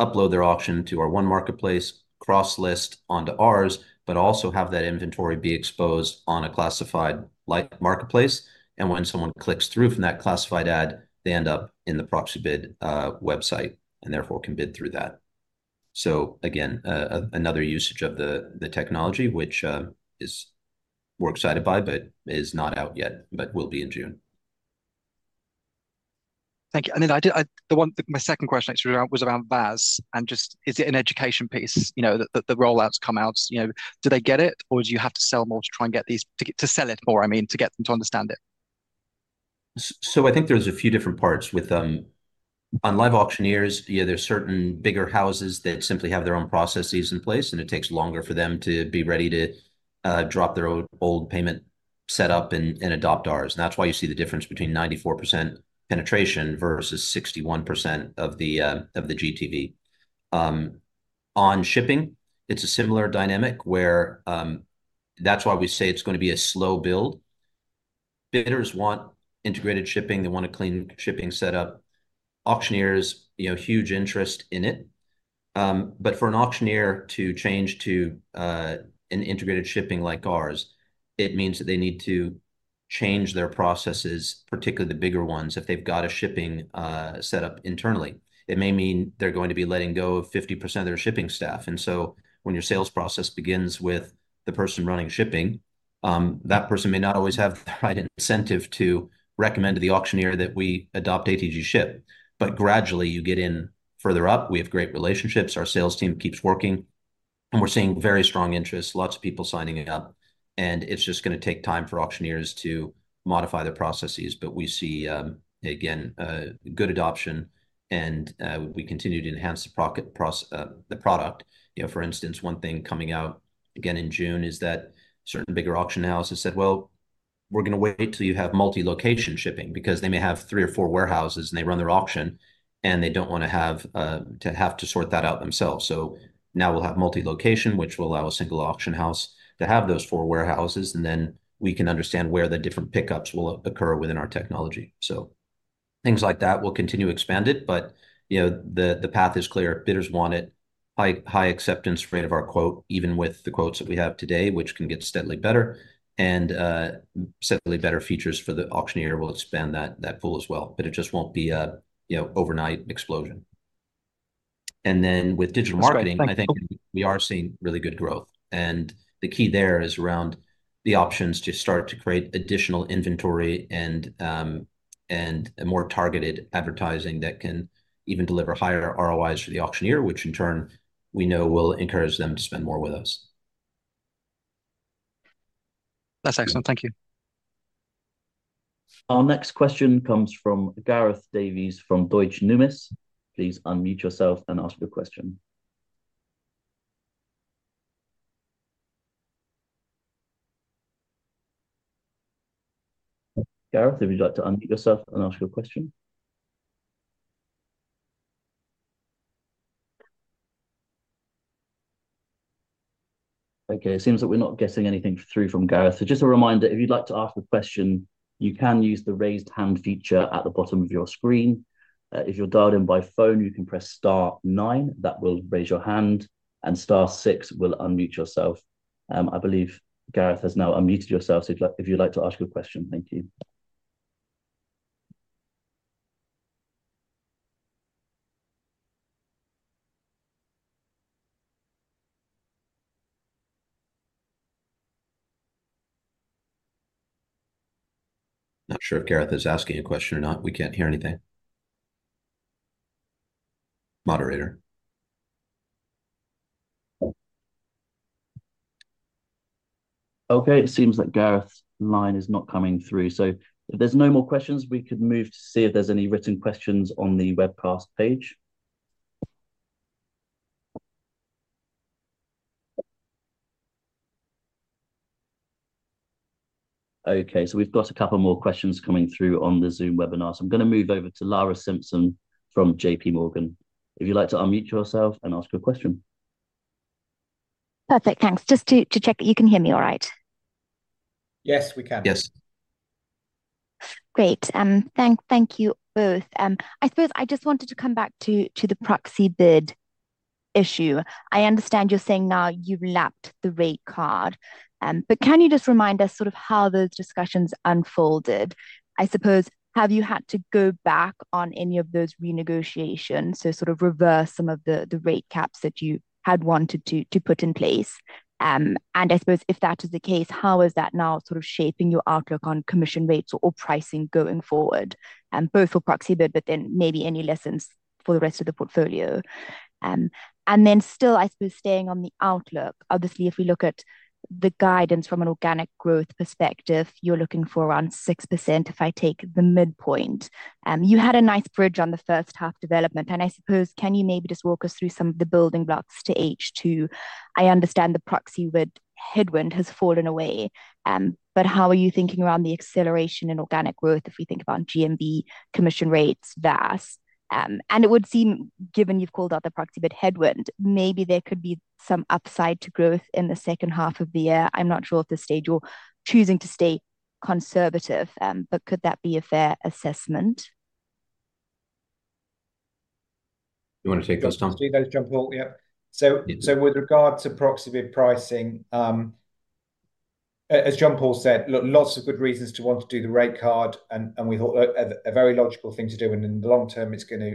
upload their auction to our one marketplace, cross-list onto ours, but also have that inventory be exposed on a classified-like marketplace. And when someone clicks through from that classified ad, they end up in the Proxibid website, and therefore, can bid through that. So again, another usage of the technology, which we're excited by, but is not out yet, but will be in June. Thank you. And then my second question actually around VAS, and just is it an education piece? You know, the roll-outs come out, you know, do they get it, or do you have to sell more to try and get these to sell it more? I mean, to get them to understand it? So I think there's a few different parts with them. On Live Auctioneers, yeah, there's certain bigger houses that simply have their own processes in place, and it takes longer for them to be ready to drop their own old payment setup and adopt ours. And that's why you see the difference between 94% penetration versus 61% of the GTV. On shipping, it's a similar dynamic where that's why we say it's going to be a slow build. Bidders want integrated shipping. They want a clean shipping setup. Auctioneers, you know, huge interest in it. But for an auctioneer to change to an integrated shipping like ours, it means that they need to change their processes, particularly the bigger ones, if they've got a shipping setup internally. It may mean they're going to be letting go of 50% of their shipping staff. And so when your sales process begins with the person running shipping, that person may not always have the right incentive to recommend to the auctioneer that we adopt ATG Ship. But gradually, you get in further up. We have great relationships. Our sales team keeps working, and we're seeing very strong interest, lots of people signing up, and it's just gonna take time for auctioneers to modify their processes. But we see, again, a good adoption, and we continue to enhance the product. You know, for instance, one thing coming out again in June is that certain bigger auction houses said, "Well, we're gonna wait until you have multi-location shipping," because they may have 3 or 4 warehouses, and they run their auction, and they don't wanna have to sort that out themselves. So now we'll have multi-location, which will allow a single auction house to have those 4 warehouses, and then we can understand where the different pickups will occur within our technology. So things like that, we'll continue to expand it, but, you know, the path is clear. Bidders want it. High acceptance rate of our quote, even with the quotes that we have today, which can get steadily better and steadily better features for the auctioneer will expand that pool as well, but it just won't be a, you know, overnight explosion. And then with digital marketing- Thanks. I think we are seeing really good growth, and the key there is around the options to start to create additional inventory and a more targeted advertising that can even deliver higher ROIs for the auctioneer, which in turn, we know will encourage them to spend more with us. That's excellent. Thank you. Our next question comes from Gareth Davies from Deutsche Numis. Please unmute yourself and ask your question. Gareth, if you'd like to unmute yourself and ask your question? Okay, it seems that we're not getting anything through from Gareth, so just a reminder, if you'd like to ask a question, you can use the Raise Hand feature at the bottom of your screen. If you're dialed in by phone, you can press star nine. That will raise your hand, and star six will unmute yourself. I believe, Gareth, has now unmuted yourself, so if you'd like, if you'd like to ask your question. Thank you. Not sure if Gareth is asking a question or not. We can't hear anything. Moderator? Okay, it seems that Gareth's line is not coming through, so if there's no more questions, we could move to see if there's any written questions on the webcast page.... Okay, so we've got a couple more questions coming through on the Zoom webinar. So I'm gonna move over to Lara Simpson from J.P. Morgan. If you'd like to unmute yourself and ask your question. Perfect, thanks. Just to check that you can hear me all right? Yes, we can. Yes. Great, thank you both. I suppose I just wanted to come back to the Proxibid issue. I understand you're saying now you've lapped the rate card, but can you just remind us sort of how those discussions unfolded? I suppose, have you had to go back on any of those renegotiations, so sort of reverse some of the rate caps that you had wanted to put in place? And I suppose if that is the case, how is that now sort of shaping your outlook on commission rates or pricing going forward, both for Proxibid, but then maybe any lessons for the rest of the portfolio? And then still, I suppose staying on the outlook, obviously, if we look at the guidance from an organic growth perspective, you're looking for around 6%, if I take the midpoint. You had a nice bridge on the first half development, and I suppose, can you maybe just walk us through some of the building blocks to H2? I understand the Proxibid headwind has fallen away, but how are you thinking around the acceleration in organic growth if we think about GMV commission rates, VAS? And it would seem, given you've called out the Proxibid headwind, maybe there could be some upside to growth in the second half of the year. I'm not sure at this stage you're choosing to stay conservative, but could that be a fair assessment? You wanna take this, Tom? Do you guys jump on? Yep. So, with regards to Proxibid pricing, as John-Paul said, look, lots of good reasons to want to do the rate card, and we thought a very logical thing to do, and in the long term, it's gonna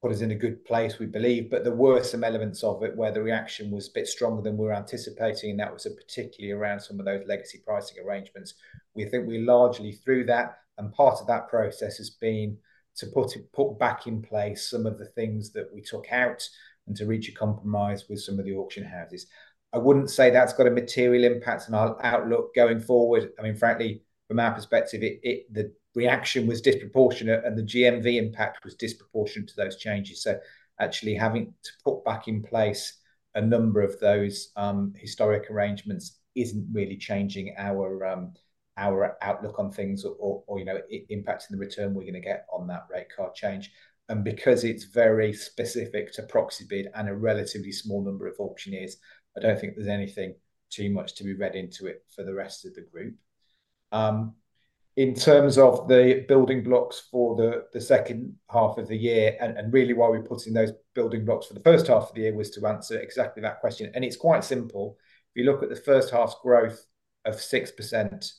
put us in a good place, we believe. But there were some elements of it where the reaction was a bit stronger than we were anticipating, and that was particularly around some of those legacy pricing arrangements. We think we're largely through that, and part of that process has been to put back in place some of the things that we took out, and to reach a compromise with some of the auction houses. I wouldn't say that's got a material impact on our outlook going forward. I mean, frankly, from our perspective, it... The reaction was disproportionate, and the GMV impact was disproportionate to those changes. So actually, having to put back in place a number of those historic arrangements isn't really changing our outlook on things or, you know, impacting the return we're gonna get on that rate card change. And because it's very specific to Proxibid and a relatively small number of auctioneers, I don't think there's anything too much to be read into it for the rest of the group. In terms of the building blocks for the second half of the year, and really why we're putting those building blocks for the first half of the year, was to answer exactly that question, and it's quite simple. If you look at the first half's growth of 6%,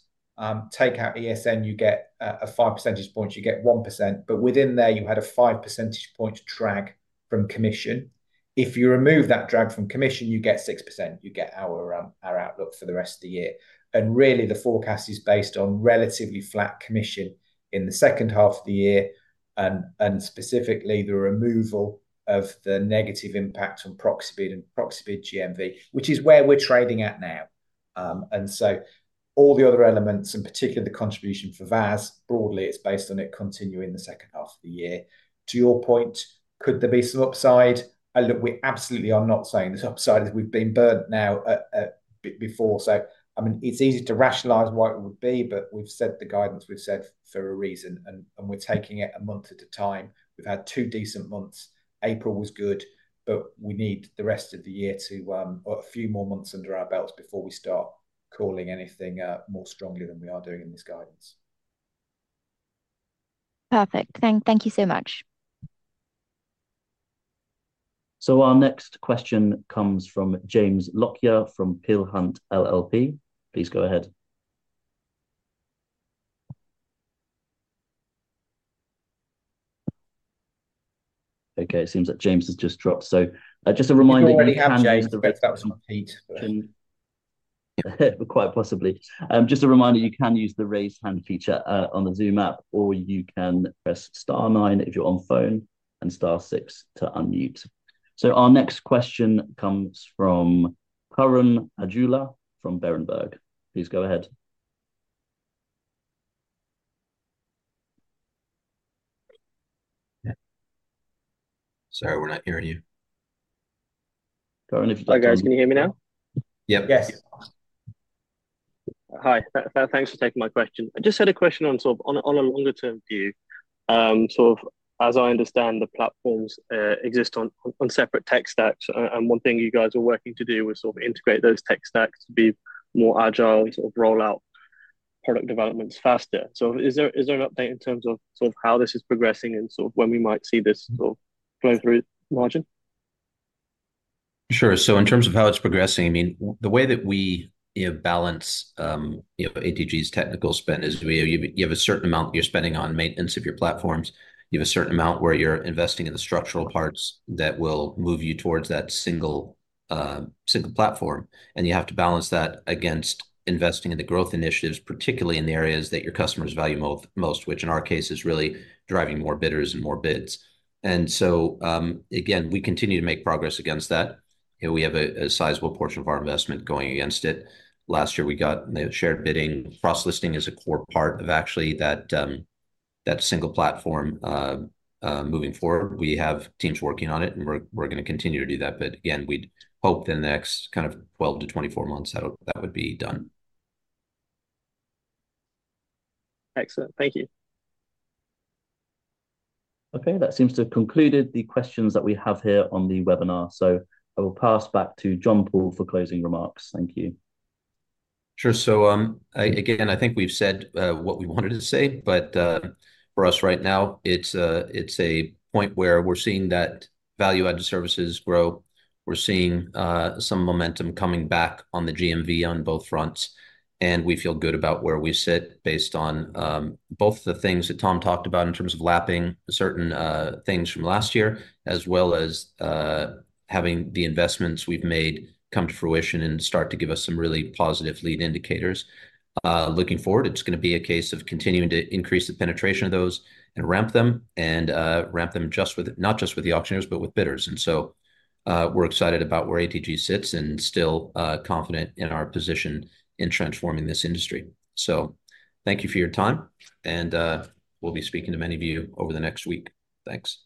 take out ESN, you get a five percentage point, you get 1%, but within there, you had a five percentage point drag from commission. If you remove that drag from commission, you get 6%. You get our our outlook for the rest of the year. And really, the forecast is based on relatively flat commission in the second half of the year and, and specifically, the removal of the negative impact on Proxibid and Proxibid GMV, which is where we're trading at now. and so all the other elements, in particular, the contribution for VAS, broadly, it's based on it continuing the second half of the year. To your point, could there be some upside? Look, we absolutely are not saying there's upside, as we've been burnt now before. So I mean, it's easy to rationalize why it would be, but we've set the guidance we've set for a reason, and we're taking it a month at a time. We've had two decent months. April was good, but we need the rest of the year to or a few more months under our belts before we start calling anything more strongly than we are doing in this guidance. Perfect. Thank you so much. So our next question comes from James Lockyer from Peel Hunt LLP. Please go ahead. Okay, it seems that James has just dropped, so, just a reminder- We already have James. That was Pete. Quite possibly. Just a reminder, you can use the raise hand feature, on the Zoom app, or you can press star nine if you're on phone, and star six to unmute. So our next question comes from Kurran Aujla from Berenberg. Please go ahead. Yeah. Sorry, we're not hearing you. Karan, if you'd like to- Hi, guys. Can you hear me now? Yep. Yes. Hi, thanks for taking my question. I just had a question on sort of on a longer-term view. Sort of, as I understand, the platforms exist on separate tech stacks, and one thing you guys are working to do is sort of integrate those tech stacks to be more agile and sort of roll out product developments faster. So is there an update in terms of sort of how this is progressing and sort of when we might see this sort of flow through margin? Sure. So in terms of how it's progressing, I mean, the way that we, you know, balance, you know, ATG's technical spend is we. You have a certain amount you're spending on maintenance of your platforms. You have a certain amount where you're investing in the structural parts that will move you towards that single, single platform. And you have to balance that against investing in the growth initiatives, particularly in the areas that your customers value most, which in our case, is really driving more bidders and more bids. And so, again, we continue to make progress against that, and we have a sizable portion of our investment going against it. Last year, we got the shared bidding. Cross-listing is a core part of actually that, that single platform, moving forward. We have teams working on it, and we're gonna continue to do that, but again, we'd hope the next kind of 12-24 months, that would be done. Excellent. Thank you. Okay, that seems to have concluded the questions that we have here on the webinar, so I will pass back to John-Paul for closing remarks. Thank you. Sure. So, again, I think we've said what we wanted to say, but for us right now, it's a point where we're seeing that value-added services grow. We're seeing some momentum coming back on the GMV on both fronts, and we feel good about where we sit, based on both the things that Tom talked about in terms of lapping certain things from last year, as well as having the investments we've made come to fruition and start to give us some really positive lead indicators. Looking forward, it's gonna be a case of continuing to increase the penetration of those and ramp them, and ramp them just with the—not just with the auctioneers, but with bidders. And so, we're excited about where ATG sits and still confident in our position in transforming this industry. So, thank you for your time, and we'll be speaking to many of you over the next week. Thanks.